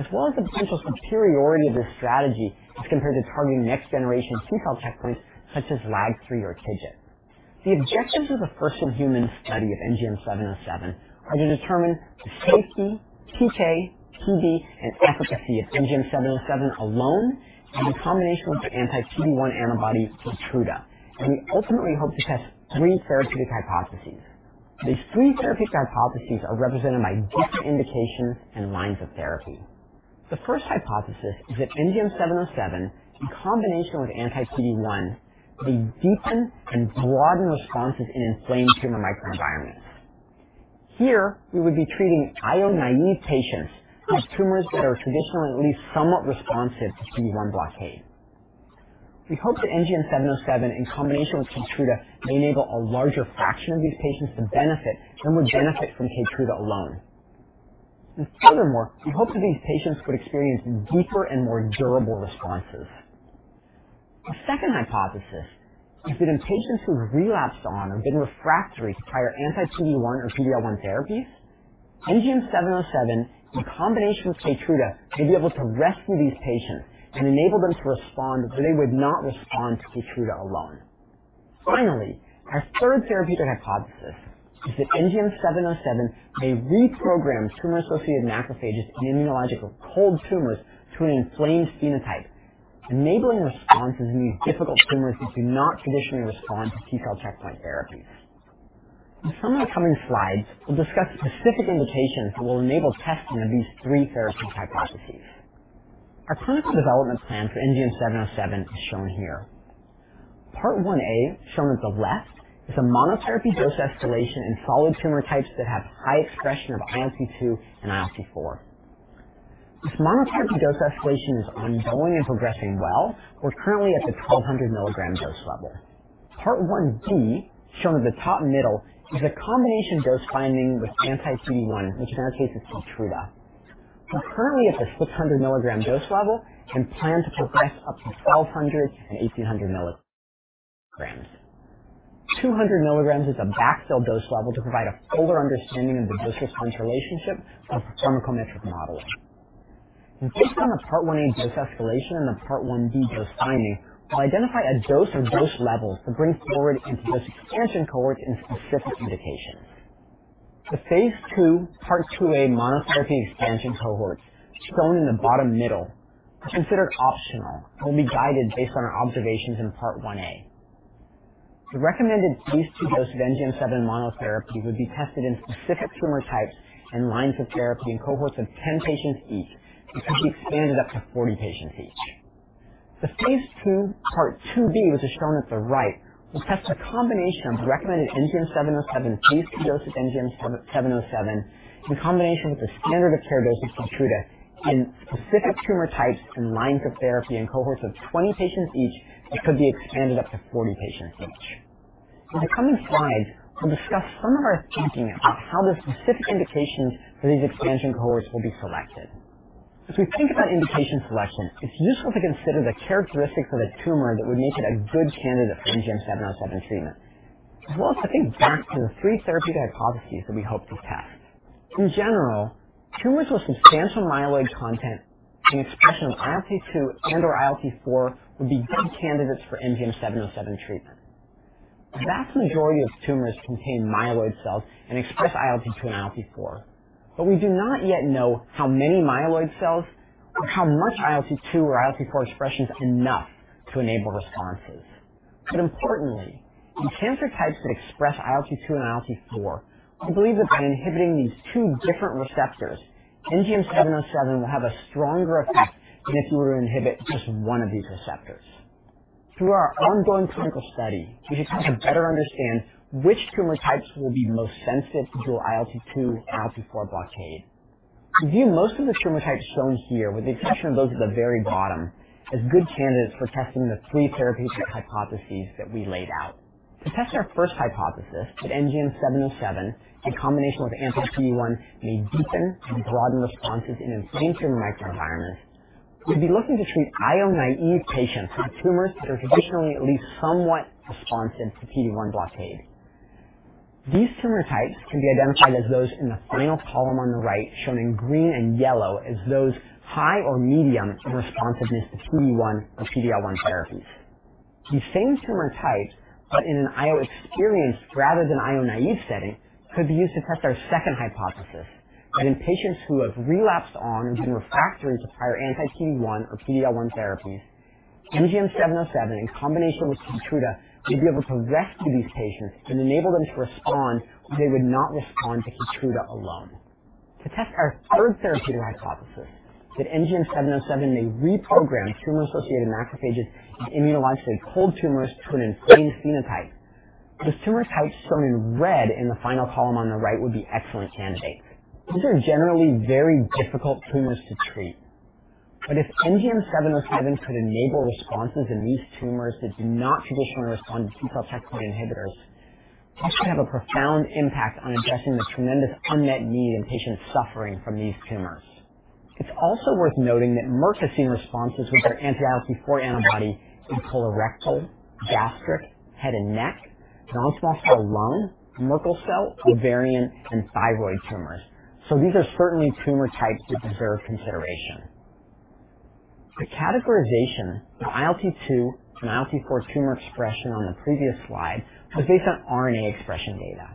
as well as the potential superiority of this strategy as compared to targeting next-generation T-cell checkpoints such as LAG-3 or TIGIT. The objectives of the first-in-human study of NGM-707 are to determine the safety, PK, PD, and efficacy of NGM-707 alone and in combination with the anti-PD-1 antibody Keytruda. We ultimately hope to test three therapeutic hypotheses. These three therapeutic hypotheses are represented by different indications and lines of therapy. The first hypothesis is that NGM-707, in combination with anti-PD-1, may deepen and broaden responses in inflamed tumor microenvironments. Here, we would be treating IO-naive patients whose tumors are traditionally at least somewhat responsive to PD-1 blockade. We hope that NGM-707 in combination with Keytruda may enable a larger fraction of these patients to benefit than would benefit from Keytruda alone. Furthermore, we hope that these patients could experience deeper and more durable responses. The second hypothesis is that in patients who have relapsed on or been refractory to prior anti-PD-1 or PD-L1 therapies, NGM-707 in combination with Keytruda may be able to rescue these patients and enable them to respond where they would not respond to Keytruda alone. Our third therapeutic hypothesis is that NGM-707 may reprogram tumor-associated macrophages in immunologically cold tumors to an inflamed phenotype, enabling responses in these difficult tumors that do not traditionally respond to T-cell checkpoint therapies. In some of the coming slides, we'll discuss the specific indications that will enable testing of these three therapeutic hypotheses. Our clinical development plan for NGM-707 is shown here. Part 1-A, shown at the left, is a monotherapy dose escalation in solid tumor types that have high expression of ILT2 and ILT4. This monotherapy dose escalation is ongoing and progressing well. We're currently at the 1,200 mg dose level. Part 1-B, shown at the top middle, is a combination dose finding with anti-PD-1, which in our case is Keytruda. We're currently at the 600 milligram dose level and plan to progress up to 1,200 and 1,800 milligrams. 200 milligrams is a backfill dose level to provide a fuller understanding of the dose-response relationship of pharmacometric modeling. Based on the Part 1-A dose escalation and the Part 1-B dose finding, we'll identify a dose or dose levels to bring forward into dose expansion cohorts in specific indications. The phase 2, Part 2-A monotherapy expansion cohorts, shown in the bottom middle, are considered optional and will be guided based on our observations in Part 1-A. The recommended phase 2 dose of NGM-707 monotherapy would be tested in specific tumor types and lines of therapy in cohorts of 10 patients each and could be expanded up to 40 patients each. The phase 2, part 2-B, which is shown at the right, will test a combination of the recommended NGM-707, phase 2 dose of NGM-707 in combination with the standard of care dose of Keytruda in specific tumor types and lines of therapy in cohorts of 20 patients each that could be expanded up to 40 patients each. In the coming slides, we'll discuss some of our thinking about how the specific indications for these expansion cohorts will be selected. As we think about indication selection, it's useful to consider the characteristics of a tumor that would make it a good candidate for NGM-707 treatment, as well as looking back to the three therapeutic hypotheses that we hope to test. In general, tumors with substantial myeloid content and expression of ILT2 and/or ILT4 would be good candidates for NGM-707 treatment. The vast majority of tumors contain myeloid cells and express ILT2 and ILT4, but we do not yet know how many myeloid cells or how much ILT2 or ILT4 expression is enough to enable responses. Importantly, in cancer types that express ILT2 and ILT4, we believe that by inhibiting these two different receptors, NGM-707 will have a stronger effect than if you were to inhibit just one of these receptors. Through our ongoing clinical study, we just have to better understand which tumor types will be most sensitive to dual ILT2 and ILT4 blockade. We view most of the tumor types shown here, with the exception of those at the very bottom, as good candidates for testing the three therapeutic hypotheses that we laid out. To test our first hypothesis that NGM-707, in combination with anti-PD-1, may deepen and broaden responses in inflamed tumor microenvironments, we'd be looking to treat IO-naive patients whose tumors are traditionally at least somewhat responsive to PD-1 blockade. These tumor types can be identified as those in the final column on the right, shown in green and yellow as those high or medium in responsiveness to PD-1 or PD-L1 therapies. These same tumor types, but in an IO-experienced rather than IO-naive setting, could be used to test our second hypothesis that in patients who have relapsed on and been refractory to prior anti-PD-1 or PD-L1 therapies, NGM-707 in combination with KEYTRUDA may be able to rescue these patients and enable them to respond where they would not respond to KEYTRUDA alone. To test our third therapeutic hypothesis that NGM-707 may reprogram tumor-associated macrophages in immunologically cold tumors to an inflamed phenotype, the tumor types shown in red in the final column on the right would be excellent candidates. These are generally very difficult tumors to treat. If NGM-707 could enable responses in these tumors that do not traditionally respond to T-cell checkpoint inhibitors, this could have a profound impact on addressing the tremendous unmet need in patients suffering from these tumors. It's also worth noting that Merck has seen responses with their anti-ILT4 antibody in colorectal, gastric, head and neck, non-small cell lung, Merkel cell, ovarian, and thyroid tumors. These are certainly tumor types that deserve consideration. The categorization of ILT2 and ILT4 tumor expression on the previous slide was based on RNA expression data.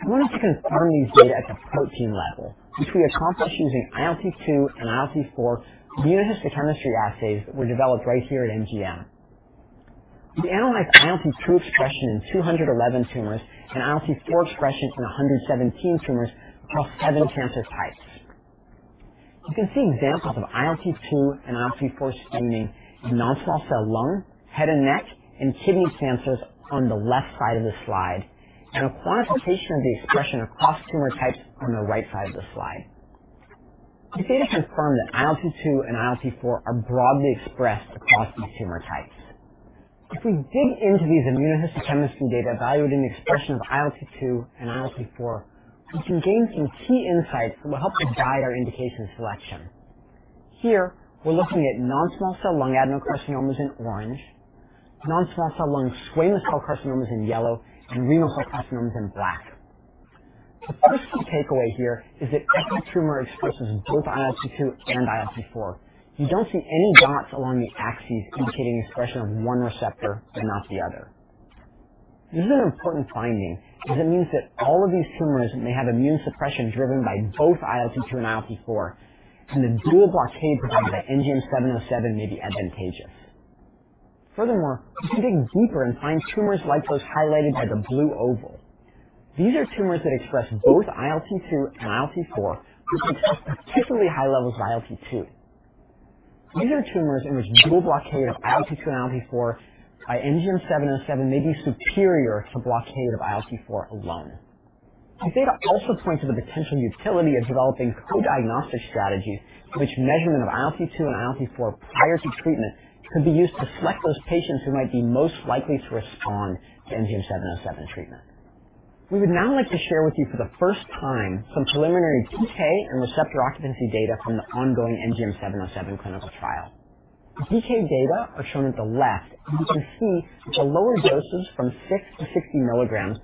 I wanted to confirm these data at the protein level, which we accomplished using ILT2 and ILT4 immunohistochemistry assays that were developed right here at NGM. We analyzed ILT2 expression in 211 tumors and ILT4 expression in 117 tumors across seven cancer types. You can see examples of ILT2 and ILT4 staining in non-small cell lung, head and neck, and kidney cancers on the left side of the slide, and a quantification of the expression across tumor types on the right side of the slide. These data confirm that ILT2 and ILT4 are broadly expressed across these tumor types. If we dig into these immunohistochemistry data evaluating the expression of ILT2 and ILT4, we can gain some key insights that will help to guide our indication selection. Here, we're looking at non-small cell lung adenocarcinomas in orange, non-small cell lung squamous cell carcinomas in yellow, and renal cell carcinomas in black. The first key takeaway here is that every tumor expresses both ILT2 and ILT4. You don't see any dots along the axes indicating expression of one receptor but not the other. This is an important finding because it means that all of these tumors may have immune suppression driven by both ILT2 and ILT4, and the dual blockade provided by NGM-707 may be advantageous. Furthermore, you can dig deeper and find tumors like those highlighted by the blue oval. These are tumors that express both ILT2 and ILT4, but express particularly high levels of ILT2. These are tumors in which dual blockade of ILT2 and ILT4 by NGM-707 may be superior to blockade of ILT4 alone. These data also point to the potential utility of developing co-diagnostic strategies in which measurement of ILT2 and ILT4 prior to treatment could be used to select those patients who might be most likely to respond to NGM-707 treatment. We would now like to share with you for the first time some preliminary PK and receptor occupancy data from the ongoing NGM-707 clinical trial. The PK data are shown at the left, and you can see at the lower doses from 6-60 milligrams,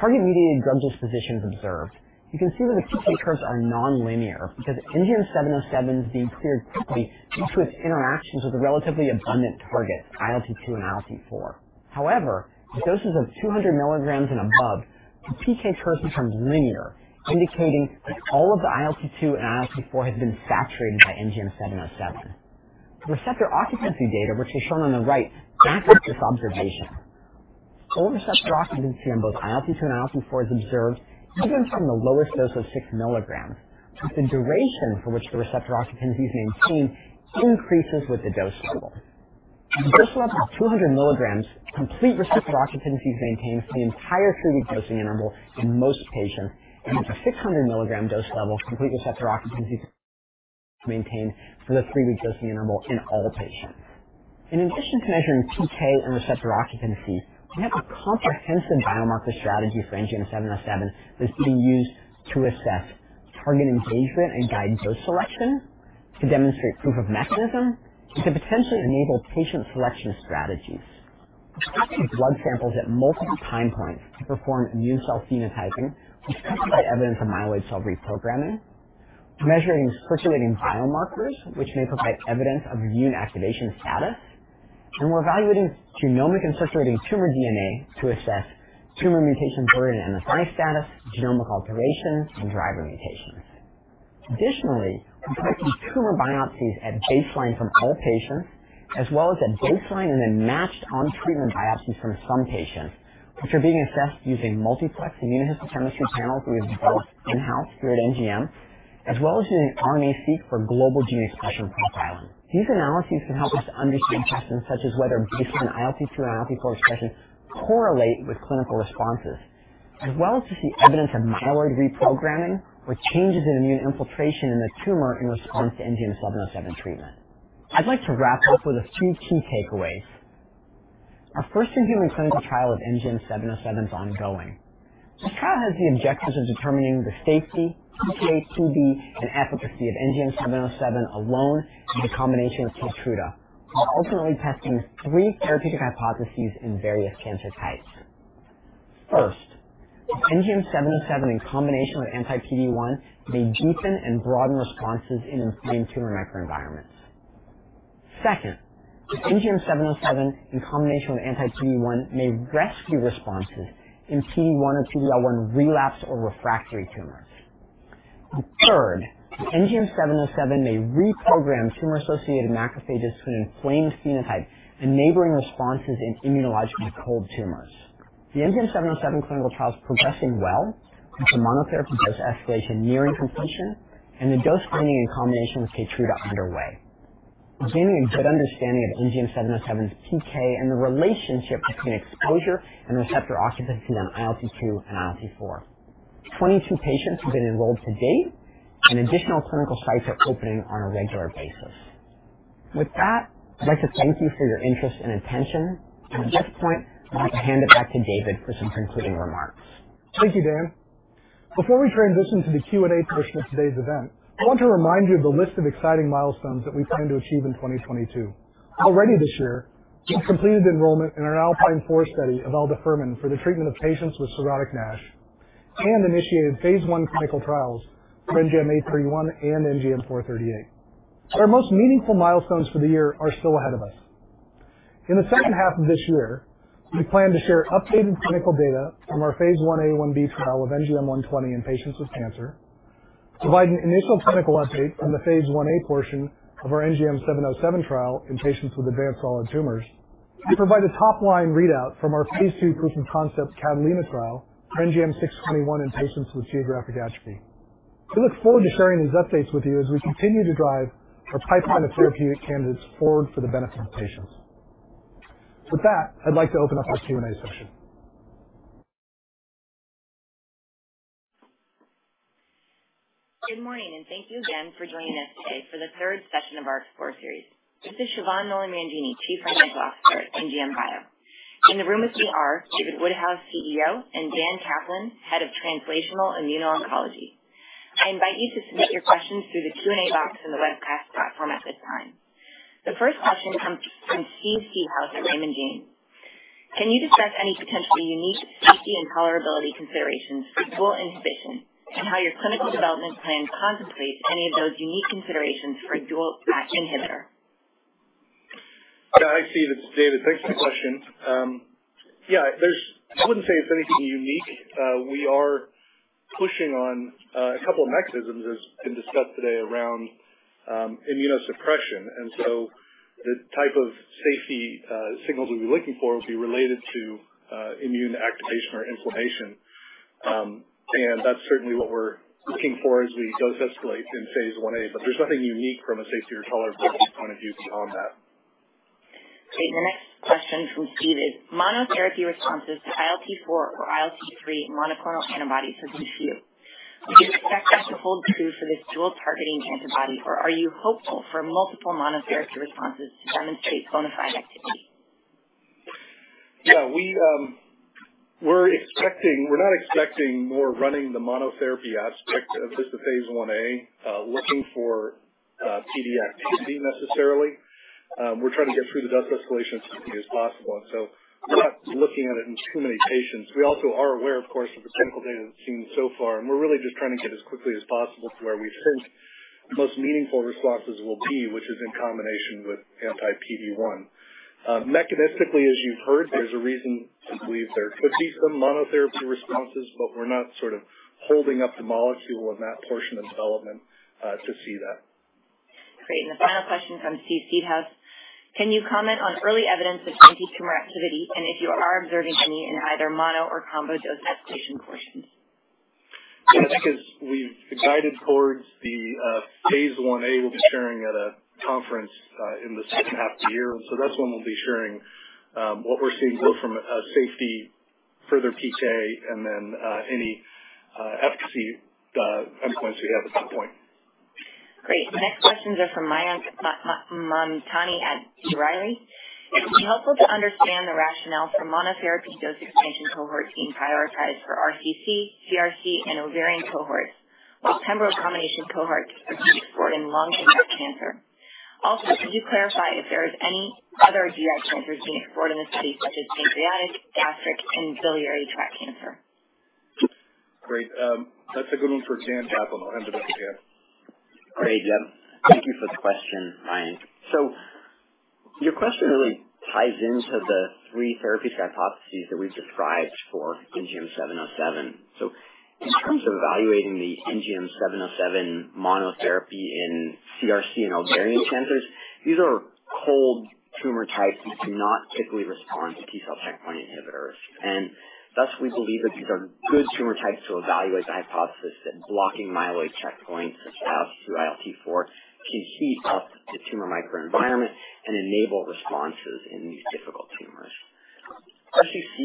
target-mediated drug disposition is observed. You can see that the PK curves are nonlinear because NGM-707 is being cleared quickly due to its interactions with a relatively abundant target, ILT2 and ILT4. However, at doses of 200 milligrams and above, the PK curves become linear, indicating that all of the ILT2 and ILT4 have been saturated by NGM-707. The receptor occupancy data, which is shown on the right, backs up this observation. Full receptor occupancy on both ILT2 and ILT4 is observed even from the lowest dose of 6 milligrams, but the duration for which the receptor occupancy is maintained increases with the dose level. At the dose level of 200 milligrams, complete receptor occupancy is maintained for the entire 3-week dosing interval in most patients, and at the 600 milligrams dose level, complete receptor occupancy is maintained for the 3-week dosing interval in all patients. In addition to measuring PK and receptor occupancy, we have a comprehensive biomarker strategy for NGM-707 that is being used to assess target engagement and guide dose selection, to demonstrate proof of mechanism, and to potentially enable patient selection strategies. We're collecting blood samples at multiple time points to perform immune cell phenotyping, which is coupled with evidence of myeloid cell reprogramming, measuring circulating biomarkers, which may provide evidence of immune activation status, and we're evaluating genomic and circulating tumor DNA to assess tumor mutation burden and MSI status, genomic alterations, and driver mutations. Additionally, we're collecting tumor biopsies at baseline from all patients, as well as at baseline and then matched on-treatment biopsies from some patients, which are being assessed using multiplex immunohistochemistry panels we have developed in-house here at NGM, as well as using RNA-seq for global gene expression profiling. These analyses can help us to understand questions such as whether ILT2 and ILT4 expression correlate with clinical responses, as well as to see evidence of myeloid reprogramming or changes in immune infiltration in the tumor in response to NGM-707 treatment. I'd like to wrap up with a few key takeaways. Our first human clinical trial of NGM-707 is ongoing. This trial has the objectives of determining the safety, PK, PD, and efficacy of NGM-707 alone and in combination with Keytruda, and ultimately testing three therapeutic hypotheses in various cancer types. First, if NGM-707 in combination with anti-PD-1 may deepen and broaden responses in inflamed tumor microenvironments. Second, if NGM-707 in combination with anti-PD-1 may rescue responses in PD-1 or PD-L1 relapse or refractory tumors. Third, if NGM-707 may reprogram tumor-associated macrophages to an inflamed phenotype, enabling responses in immunologically cold tumors. The NGM-707 clinical trial is progressing well, with the monotherapy dose escalation nearing completion and the dose finding in combination with KEYTRUDA underway. Give me a good understanding of NGM-707's PK and the relationship between exposure and receptor occupancy on ILT2 and ILT4. 22 patients have been enrolled to date, and additional clinical sites are opening on a regular basis. With that, I'd like to thank you for your interest and attention, and at this point, I'd like to hand it back to David for some concluding remarks. Thank you, Dan. Before we transition to the Q&A portion of today's event, I want to remind you of the list of exciting milestones that we plan to achieve in 2022. Already this year, we've completed enrollment in our ALPINE 4 study of aldafermin for the treatment of patients with cirrhotic NASH and initiated phase 1 clinical trials for NGM831 and NGM438. Our most meaningful milestones for the year are still ahead of us. In the second half of this year, we plan to share updated clinical data from our phase 1A/1B trial of NGM120 in patients with cancer, provide an initial clinical update on the phase 1A portion of our NGM-707 trial in patients with advanced solid tumors, and provide a top-line readout from our phase 2 proof-of-concept CATALINA trial for NGM621 in patients with geographic atrophy. We look forward to sharing these updates with you as we continue to drive our pipeline of therapeutic candidates forward for the benefit of patients. With that, I'd like to open up our Q&A session. Good morning, and thank you again for joining us today for the third session of our Explorer series. This is Siobhan Nolan Mangini, Chief Medical Officer at NGM Bio. In the room with me are David Woodhouse, CEO, and Daniel Kaplan, Head of Translational Immuno-Oncology. I invite you to submit your questions through the Q&A box in the webcast platform at this time. The first question comes from Steve Seedhouse at Raymond James. Can you discuss any potentially unique safety and tolerability considerations for dual inhibition and how your clinical development plan concentrates any of those unique considerations for a dual ILT inhibitor? Hi, Steve. It's David. Thanks for the question. I wouldn't say it's anything unique. We are pushing on a couple of mechanisms as has been discussed today around immunosuppression. The type of safety signals we'll be looking for will be related to immune activation or inflammation. That's certainly what we're looking for as we dose escalate through phase 1a. There's nothing unique from a safety or tolerability point of view beyond that. Great. The next question from Steve is, monotherapy responses to ILT4 or ILT3 monoclonal antibodies has been few. Do you expect that to hold true for this dual targeting antibody, or are you hopeful for multiple monotherapy responses to demonstrate bona fide activity? Yeah. We're not expecting more from the monotherapy aspect of just the phase 1a, looking for PD activity necessarily. We're trying to get through the dose escalation as quickly as possible. We're not looking at it in too many patients. We also are aware, of course, of the clinical data that's seen so far, and we're really just trying to get as quickly as possible to where we think the most meaningful responses will be, which is in combination with anti-PD-1. Mechanistically, as you've heard, there's a reason to believe there could be some monotherapy responses, but we're not sort of holding up the molecule in that portion of development, to see that. Great. The final question comes Steve Seedhouse. Can you comment on early evidence of antitumor activity and if you are observing any in either mono or combo dose escalation portions? Yeah. Because we've guided towards the phase 1a, we'll be sharing at a conference in the second half of the year. That's when we'll be sharing what we're seeing both from a safety, further PK, and then any efficacy endpoints we have at that point. Great. The next questions are from Mayank Mamtani at B. Riley. It would be helpful to understand the rationale for monotherapy dose-expansion cohort being prioritized for RCC, CRC, and ovarian cohorts while pembro combination cohort is being explored in lung and neck cancer. Also, could you clarify if there is any other GI cancers being explored in this space, such as pancreatic, gastric, and biliary tract cancer? Great. That's a good one for Daniel Kaplan. I'll hand it off to Daniel. Great. Yeah. Thank you for the question, Mayank. Your question really ties into the three therapeutic hypotheses that we've described for NGM-707. In terms of evaluating the NGM-707 monotherapy in CRC and ovarian cancers, these are cold tumor types that do not typically respond to T-cell checkpoint inhibitors. Thus, we believe that these are good tumor types to evaluate the hypothesis that blocking myeloid checkpoints such as through ILT4 can heat up the tumor microenvironment and enable responses in these difficult tumors. HCC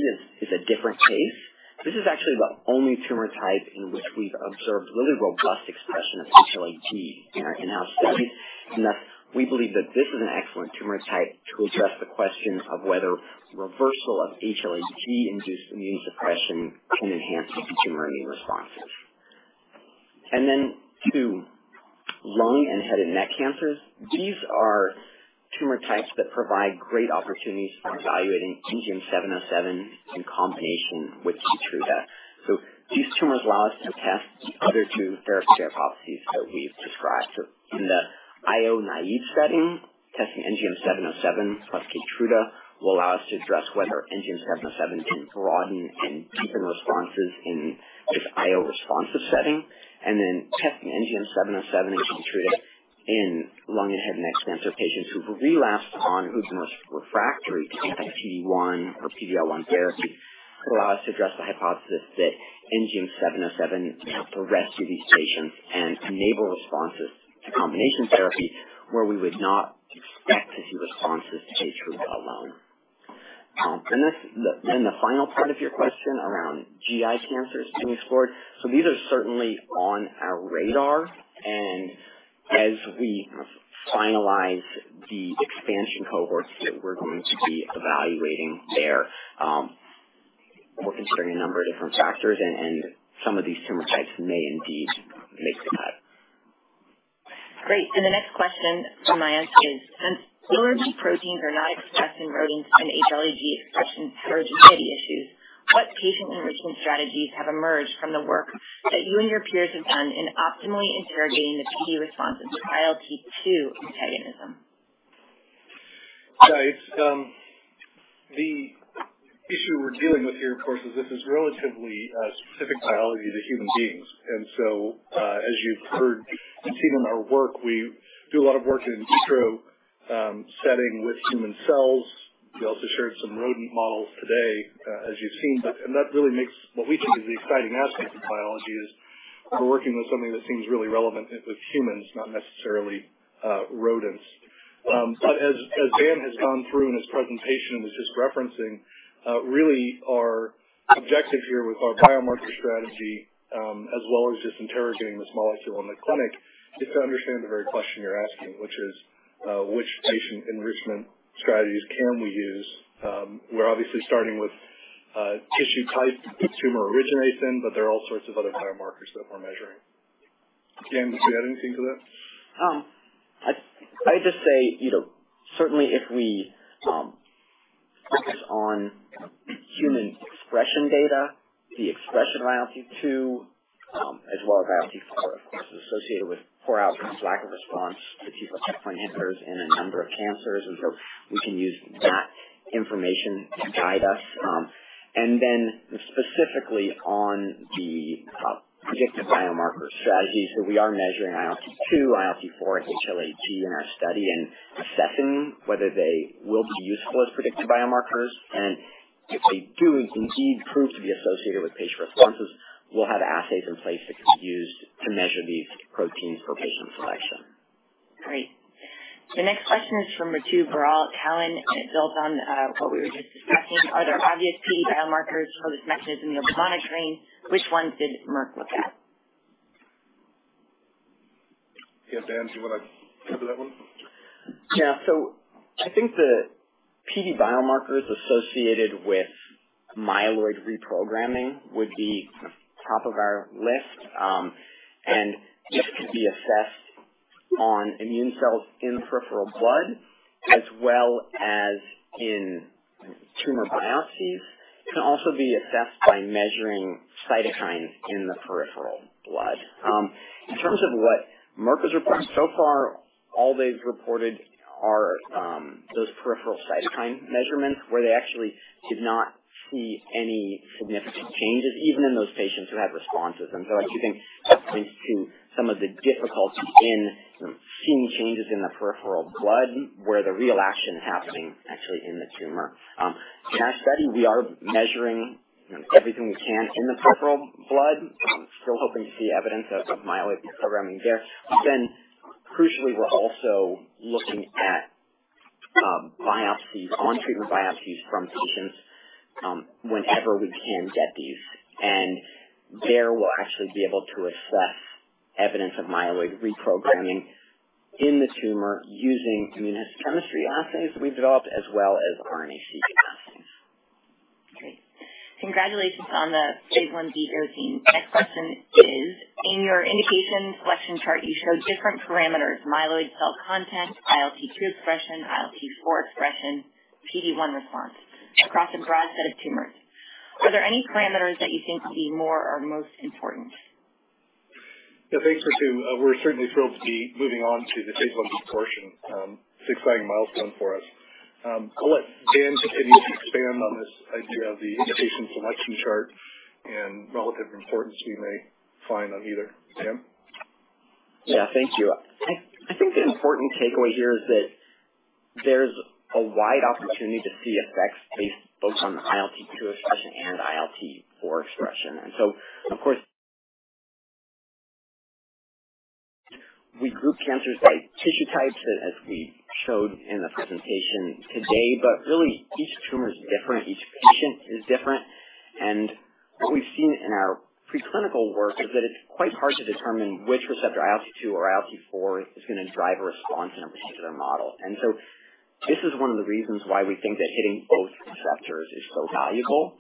is a different case. This is actually the only tumor type in which we've observed really robust expression of HLA-G in our study. Thus, we believe that this is an excellent tumor type to address the question of whether reversal of HLA-G-induced immunosuppression can enhance antitumor immune responses. To lung and head and neck cancers, these are tumor types that provide great opportunities for evaluating NGM-707 in combination with Keytruda. These tumors allow us to test the other two therapeutic hypotheses that we've described. In the IO-naive setting, testing NGM-707 plus Keytruda will allow us to address whether NGM-707 can broaden and deepen responses in this IO-responsive setting, and then testing NGM-707 and Keytruda in lung and head and neck cancer patients who've relapsed on or whose tumors are refractory to anti-PD-1 or PD-L1 therapy, allow us to address the hypothesis that NGM-707 can help rescue these patients and enable responses to combination therapy where we would not expect to see responses to IO alone. The final part of your question around GI cancers being explored. These are certainly on our radar and as we finalize the expansion cohorts that we're going to be evaluating there, we're considering a number of different factors and some of these tumor types may indeed make the cut. Great. The next question from Mayank Mamtani is, since ILT proteins are not expressed in rodents and HLA-G expression heterogeneity issues, what patient enrichment strategies have emerged from the work that you and your peers have done in optimally interrogating the PD responses to ILT2 antagonism? Right. The issue we're dealing with here, of course, is this is relatively specific biology to human beings. As you've heard and seen in our work, we do a lot of work in vitro setting with human cells. We also shared some rodent models today, as you've seen. That really makes what we think is the exciting aspect of biology is we're working with something that seems really relevant with humans, not necessarily rodents. As Dan has gone through in his presentation and was just referencing, really our objective here with our biomarker strategy, as well as just interrogating this molecule in the clinic, is to understand the very question you're asking, which is which patient enrichment strategies can we use? We're obviously starting with tissue type the tumor originates in, but there are all sorts of other biomarkers that we're measuring. Dan, would you add anything to that? I'd just say, certainly if we focus on human expression data, the expression of ILT2 as well as ILT4, of course, is associated with poor outcomes, lack of response to checkpoint inhibitors in a number of cancers. We can use that information to guide us. Specifically on the predictive biomarker strategies. We are measuring ILT2, ILT4, and HLA-G in our study and assessing whether they will be useful as predictive biomarkers. If they do indeed prove to be associated with patient responses, we'll have assays in place that can be used to measure these proteins for patient selection. Great. The next question is from Ritu Baral at Cowen, and it builds on what we were just discussing. Are there obvious PD biomarkers for this mechanism you'll be monitoring? Which ones did Merck look at? Yes. Dan, do you wanna cover that one? Yeah. I think the PD biomarkers associated with myeloid reprogramming would be top of our list, and this can be assessed on immune cells in peripheral blood as well as in tumor biopsies. It can also be assessed by measuring cytokines in the peripheral blood. In terms of what Merck has reported so far, all they've reported are those peripheral cytokine measurements where they actually did not see any significant changes even in those patients who had responses. I think that points to some of the difficulty in seeing changes in the peripheral blood where the real action happening actually in the tumor. In our study, we are measuring, everything we can in the peripheral blood. Still hoping to see evidence of myeloid reprogramming there. Crucially, we're also looking at biopsies, on-treatment biopsies from patients, whenever we can get these. There we'll actually be able to assess evidence of myeloid reprogramming in the tumor using immunohistochemistry assays we've developed as well as RNA-seq assays. Great. Congratulations on the phase 1b dosing. Next question is, in your indication selection chart, you showed different parameters, myeloid cell content, ILT2 expression, ILT4 expression, PD-1 response across a broad set of tumors. Are there any parameters that you think will be more or most important? Yeah, thanks, Ritu. We're certainly thrilled to be moving on to the phase 1b portion. Exciting milestone for us. I'll let Dan continue to expand on this idea of the indication selection chart and relative importance you may find on either. Dan? Yeah. Thank you. I think the important takeaway here is that there's a wide opportunity to see effects based both on ILT2 expression and ILT4 expression. Of course, we group cancers by tissue types, as we showed in the presentation today. Really, each tumor is different, each patient is different. What we've seen in our preclinical work is that it's quite hard to determine which receptor, ILT2 or ILT4, is gonna drive a response in a particular model. This is one of the reasons why we think that hitting both receptors is so valuable.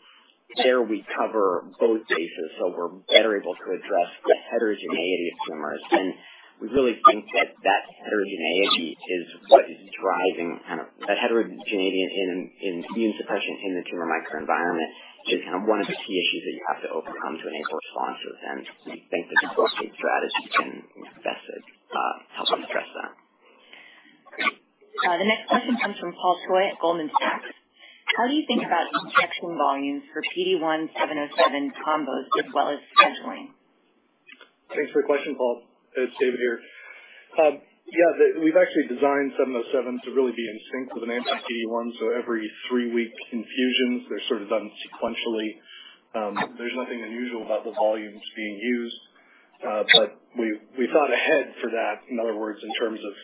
There we cover both bases, so we're better able to address the heterogeneity of tumors. We really think that a heterogeneity in immune suppression in the tumor microenvironment is kind of one of the key issues that you have to overcome to enable responses. We think that this dual-hit strategy can, best help us address that. The next question comes from Paul Choi at Goldman Sachs. How do you think about injection volumes for PD-1/NGM-707 combos as well as scheduling? Thanks for the question, Paul. It's David here. We've actually designed NGM-707 to really be in sync with an anti-PD-1, so every 3-week infusions, they're sort of done sequentially. There's nothing unusual about the volumes being used. We thought ahead for that. In other words, in terms of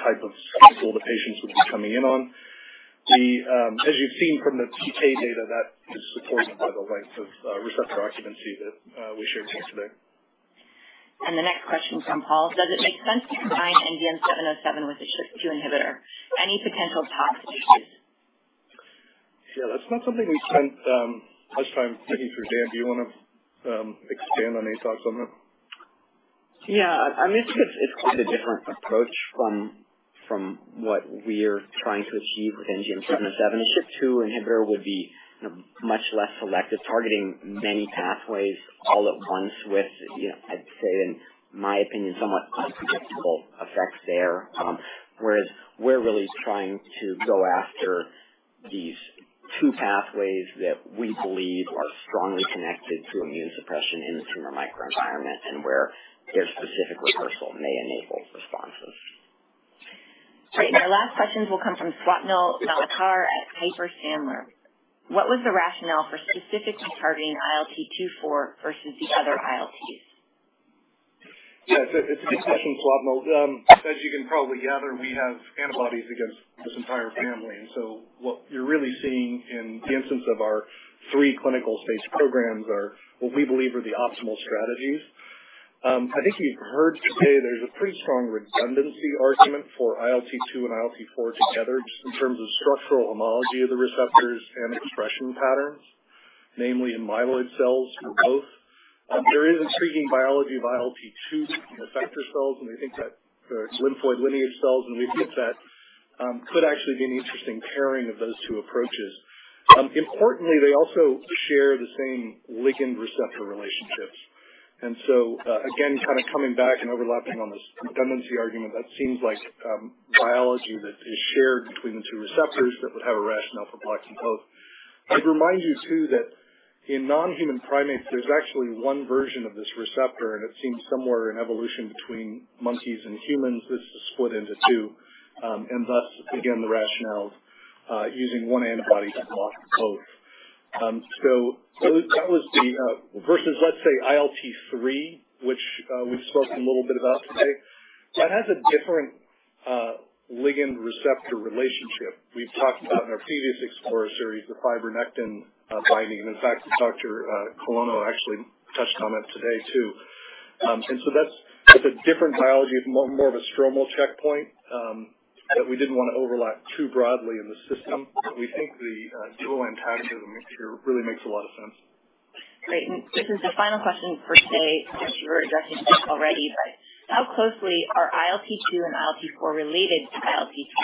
type of cycle the patients would be coming in on. As you've seen from the PK data, that is supported by the length of receptor occupancy that we shared with you today. The next question's from Paul Choi. Does it make sense to combine NGM-707 with a SHP2 inhibitor? Any potential tox issues? Sure. That's not something we spent much time thinking through. Dan, do you wanna expand on any thoughts on that? Yeah. I mean, I think it's quite a different approach from what we're trying to achieve with NGM-707. An SHP2 inhibitor would be, you know, much less selective, targeting many pathways all at once with, I'd say in my opinion, somewhat unpredictable effects there. Whereas we're really trying to go after these two pathways that we believe are strongly connected to immune suppression in the tumor microenvironment, and where their specific reversal may enable responses. Great. Our last questions will come from Swapnil Malekar at Piper Sandler. What was the rationale for specifically targeting ILT2/4 versus the other ILTs? Yeah. It's a good question, Swapnil. As you can probably gather, we have antibodies against this entire family, and so what you're really seeing in the instance of our three clinical stage programs are what we believe are the optimal strategies. I think you've heard today there's a pretty strong redundancy argument for ILT2 and ILT4 together, just in terms of structural homology of the receptors and expression patterns, namely in myeloid cells for both. There is intriguing biology of ILT2 in effector cells, and we think that for lymphoid lineage cells could actually be an interesting pairing of those two approaches. Importantly, they also share the same ligand receptor relationships. Again, kinda coming back and overlapping on this redundancy argument, that seems like biology that is shared between the two receptors that would have a rationale for blocking both. I'd remind you, too, that in non-human primates, there's actually one version of this receptor, and it seems somewhere in evolution between monkeys and humans, this is split into two, and thus again the rationale using one antibody to block both. That was the versus, let's say, ILT3, which we've spoken a little bit about today. That has a different ligand receptor relationship. We've talked about in our previous Explorer Series the fibronectin binding. In fact, Dr. Colonna actually touched on it today, too. That's a different biology of more of a stromal checkpoint that we didn't wanna overlap too broadly in the system. We think the dual antagonism mixture really makes a lot of sense. Great. This is the final question for today, which you were addressing just already, but how closely are ILT-2 and ILT-4 related to ILT-3,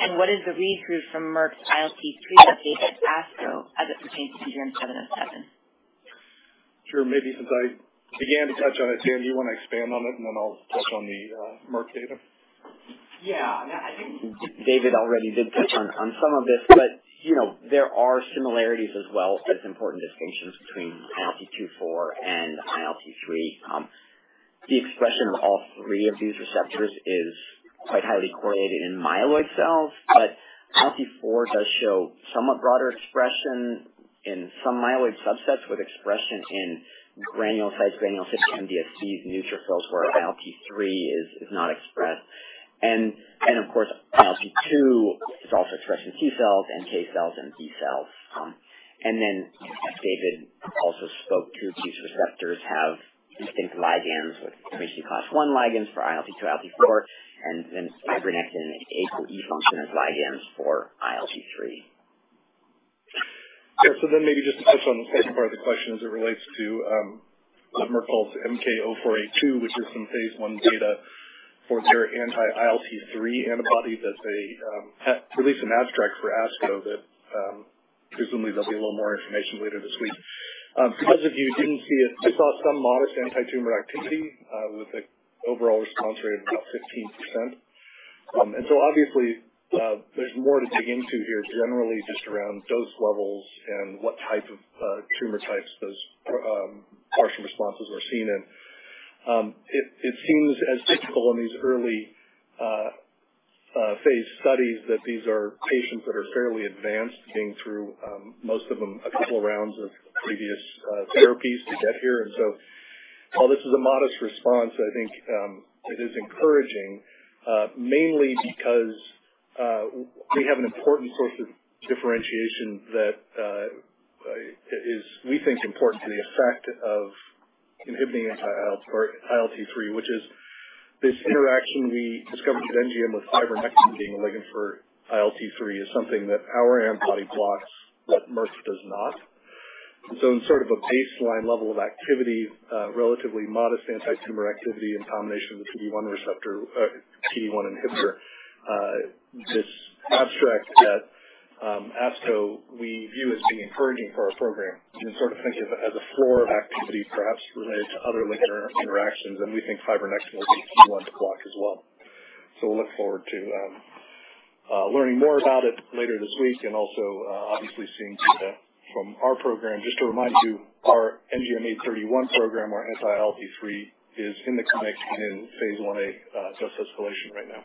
and what is the read-through from Merck's ILT-3 update at ASCO as it pertains to NGM-707? Sure. Maybe since I began to touch on it, Dan, do you wanna expand on it, and then I'll touch on the Merck data? Yeah. No, I think David already did touch on some of this, but you know, there are similarities as well as important distinctions between ILT2, ILT4, and ILT3. The expression of all three of these receptors is quite highly correlated in myeloid cells, but ILT4 does show somewhat broader expression in some myeloid subsets with expression in granulocytes, granulocytic MDSCs, neutrophils, where ILT3 is not expressed. Of course ILT2 is also expressed in T cells, NK cells, and B cells. Then as David also spoke to, these receptors have distinct ligands with immunoglobulin G1 ligands for ILT2, ILT4, and then fibronectin A2E function as ligands for ILT3. Yeah. Maybe just to touch on the second part of the question as it relates to Merck's MK-0482, which is some phase 1 data for their anti-ILT3 antibody that they released an abstract for ASCO that, presumably there'll be a little more information later this week. Those of you who didn't see it, I saw some modest antitumor activity with an overall response rate of about 15%. Obviously, there's more to dig into here generally just around dose levels and what type of tumor types those partial responses were seen in. It seems as typical in these early phase studies that these are patients that are fairly advanced, getting through most of them a couple of rounds of previous therapies to get here. While this is a modest response, I think it is encouraging, mainly because we have an important source of differentiation that, we think, is important to the effect of inhibiting ILT3, which is this interaction we discovered at NGM with fibronectin being a ligand for ILT3, is something that our antibody blocks, but Merck's does not. In sort of a baseline level of activity, relatively modest antitumor activity in combination with the PD-1 receptor, PD-1 inhibitor, this abstract at ASCO we view as being encouraging for our program, and sort of think of it as a floor of activity perhaps related to other ligand interactions, and we think fibronectin will be one to block as well. We'll look forward to learning more about it later this week, and also, obviously seeing data from our program. Just to remind you, our NGM-831 program, our anti-ILT3, is in the clinic and in phase 1a dose escalation right now.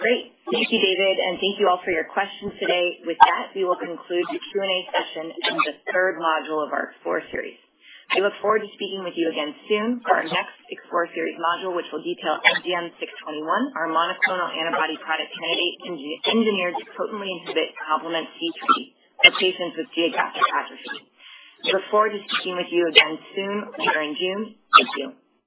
Great. Thank you, David, and thank you all for your questions today. With that, we will conclude the Q&A session in the third module of our Explorer Series. I look forward to speaking with you again soon for our next Explorer Series module, which will detail NGM-621, our monoclonal antibody product candidate engineered to potently inhibit complement C3 in patients with geographic atrophy. We look forward to speaking with you again soon during June. Thank you.